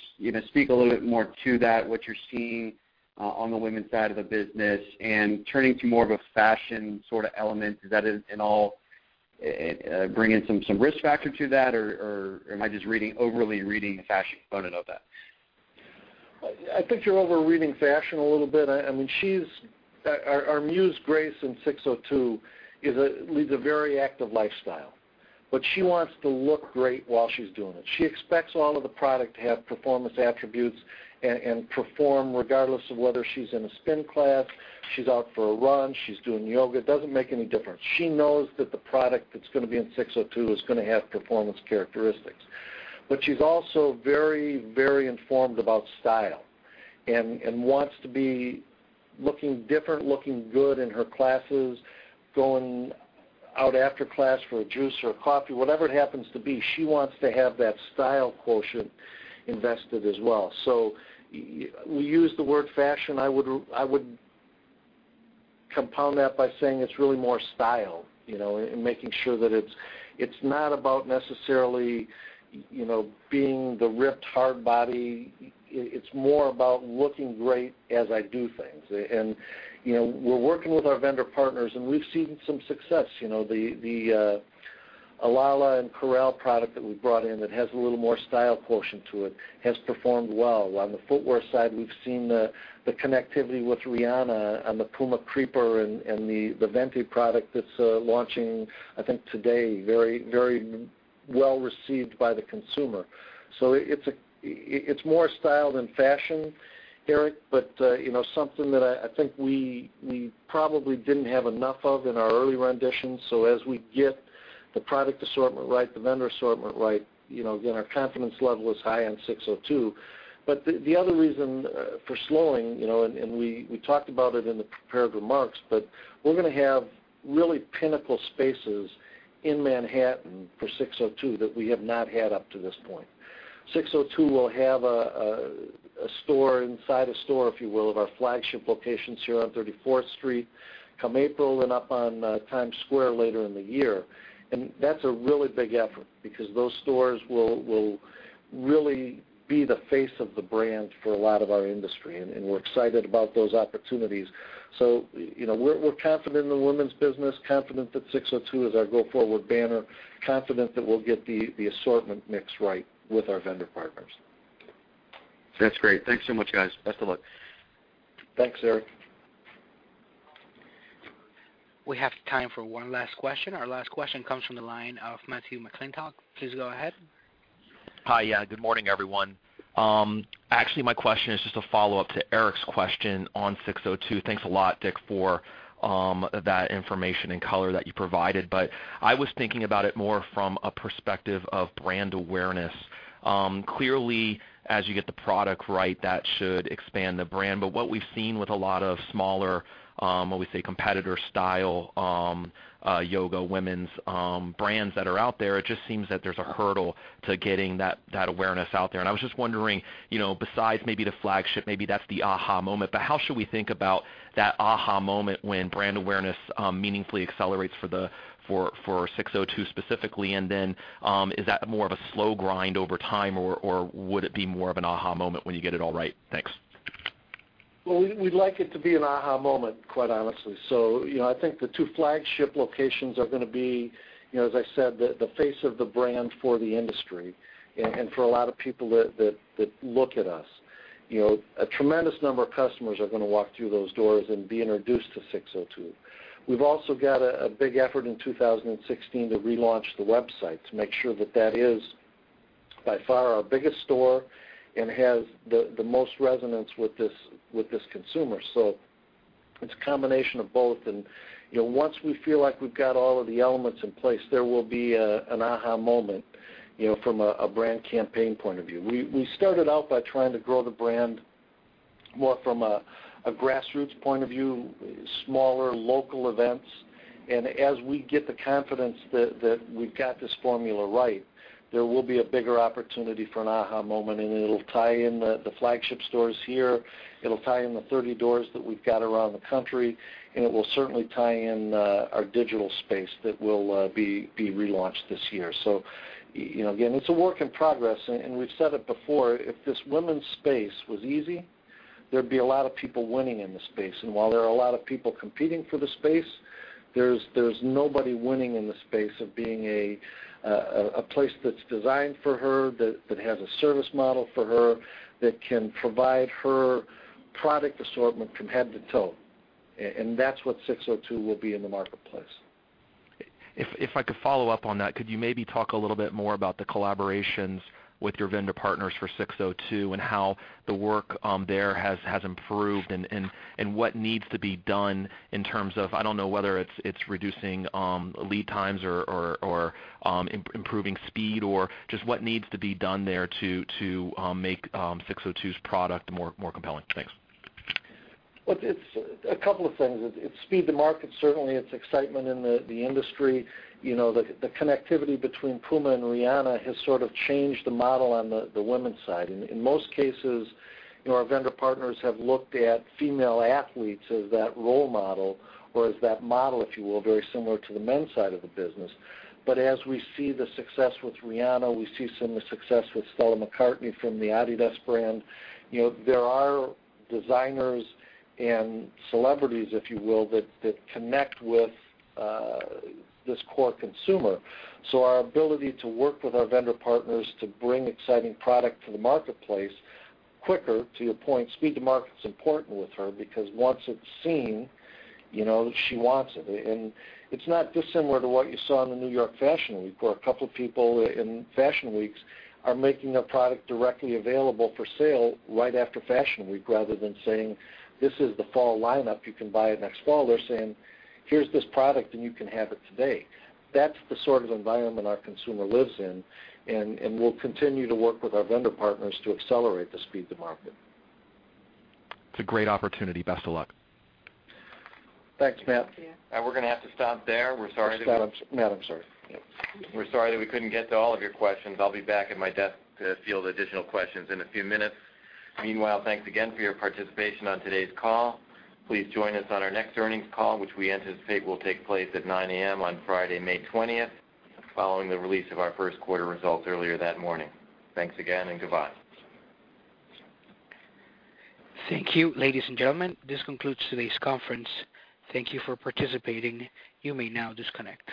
speak a little bit more to that, what you're seeing on the women's side of the business and turning to more of a fashion sort of element. Is that at all bring in some risk factor to that? Am I just overly reading the fashion component of that? I think you're overreading fashion a little bit. Our muse, Grace, in SIX:02 leads a very active lifestyle, but she wants to look great while she's doing it. She expects all of the product to have performance attributes and perform regardless of whether she's in a spin class, she's out for a run, she's doing yoga. It doesn't make any difference. She knows that the product that's going to be in SIX:02 is going to have performance characteristics. She's also very informed about style and wants to be looking different, looking good in her classes, going out after class for a juice or a coffee, whatever it happens to be. She wants to have that style quotient invested as well. We use the word fashion. I would compound that by saying it's really more style, and making sure that it's not about necessarily being the ripped, hard body. It's more about looking great as I do things. We're working with our vendor partners, and we've seen some success. The Alala and Koral product that we brought in that has a little more style quotient to it has performed well. On the footwear side, we've seen the connectivity with Rihanna on the Puma Creeper and the Fenty product that's launching, I think, today. Very well received by the consumer. It's more style than fashion, Eric, but something that I think we probably didn't have enough of in our early renditions. As we get the product assortment right, the vendor assortment right, again, our confidence level is high on SIX:02. The other reason for slowing, and we talked about it in the prepared remarks, but we're going to have really pinnacle spaces in Manhattan for SIX:02 that we have not had up to this point. SIX:02 will have a store inside a store, if you will, of our flagship location here on 34th Street come April and up on Times Square later in the year. That's a really big effort because those stores will really be the face of the brand for a lot of our industry, and we're excited about those opportunities. We're confident in the women's business, confident that SIX:02 is our go-forward banner, confident that we'll get the assortment mix right with our vendor partners. That's great. Thanks so much, guys. Best of luck. Thanks, Eric. We have time for one last question. Our last question comes from the line of Matthew McClintock. Please go ahead. Hi. Good morning, everyone. My question is just a follow-up to Eric's question on SIX:02. Thanks a lot, Dick, for that information and color that you provided. I was thinking about it more from a perspective of brand awareness. Clearly, as you get the product right, that should expand the brand. What we've seen with a lot of smaller, we'll say, competitor style yoga women's brands that are out there, it just seems that there's a hurdle to getting that awareness out there. I was just wondering, besides maybe the flagship, maybe that's the aha moment. How should we think about that aha moment when brand awareness meaningfully accelerates for SIX:02 specifically? Is that more of a slow grind over time, or would it be more of an aha moment when you get it all right? Thanks. We'd like it to be an aha moment, quite honestly. I think the 2 flagship locations are going to be, as I said, the face of the brand for the industry and for a lot of people that look at us. A tremendous number of customers are going to walk through those doors and be introduced to SIX:02. We've also got a big effort in 2016 to relaunch the website to make sure that that is by far our biggest store and has the most resonance with this consumer. It's a combination of both. Once we feel like we've got all of the elements in place, there will be an aha moment from a brand campaign point of view. We started out by trying to grow the brand more from a grassroots point of view, smaller local events. As we get the confidence that we've got this formula right, there will be a bigger opportunity for an aha moment, and it'll tie in the flagship stores here, it'll tie in the 30 doors that we've got around the country, and it will certainly tie in our digital space that will be relaunched this year. Again, it's a work in progress. We've said it before, if this women's space was easy, there'd be a lot of people winning in the space. While there are a lot of people competing for the space, there's nobody winning in the space of being a place that's designed for her, that has a service model for her, that can provide her product assortment from head to toe. That's what SIX:02 will be in the marketplace. If I could follow up on that, could you maybe talk a little bit more about the collaborations with your vendor partners for SIX:02 and how the work there has improved and what needs to be done in terms of, I don't know whether it's reducing lead times or improving speed or just what needs to be done there to make SIX:02's product more compelling? Thanks. Well, it's a couple of things. It's speed to market, certainly. It's excitement in the industry. The connectivity between Puma and Rihanna has sort of changed the model on the women's side. In most cases, our vendor partners have looked at female athletes as that role model or as that model, if you will, very similar to the men's side of the business. As we see the success with Rihanna, we see some of the success with Stella McCartney from the Adidas brand. There are designers and celebrities, if you will, that connect with this core consumer. Our ability to work with our vendor partners to bring exciting product to the marketplace quicker, to your point, speed to market is important with her because once it's seen, she wants it. It's not dissimilar to what you saw in the New York Fashion Week, where a couple of people in Fashion Weeks are making a product directly available for sale right after Fashion Week rather than saying, "This is the fall lineup. You can buy it next fall." They're saying, "Here's this product and you can have it today." That's the sort of environment our consumer lives in, and we'll continue to work with our vendor partners to accelerate the speed to market. It's a great opportunity. Best of luck. Thanks, Matt. Thank you. We're going to have to stop there. We're sorry. Matt, I'm sorry. Yep. We're sorry that we couldn't get to all of your questions. I'll be back at my desk to field additional questions in a few minutes. Meanwhile, thanks again for your participation on today's call. Please join us on our next earnings call, which we anticipate will take place at 9:00 A.M. on Friday, May 20th, following the release of our first quarter results earlier that morning. Thanks again and goodbye. Thank you, ladies and gentlemen. This concludes today's conference. Thank you for participating. You may now disconnect.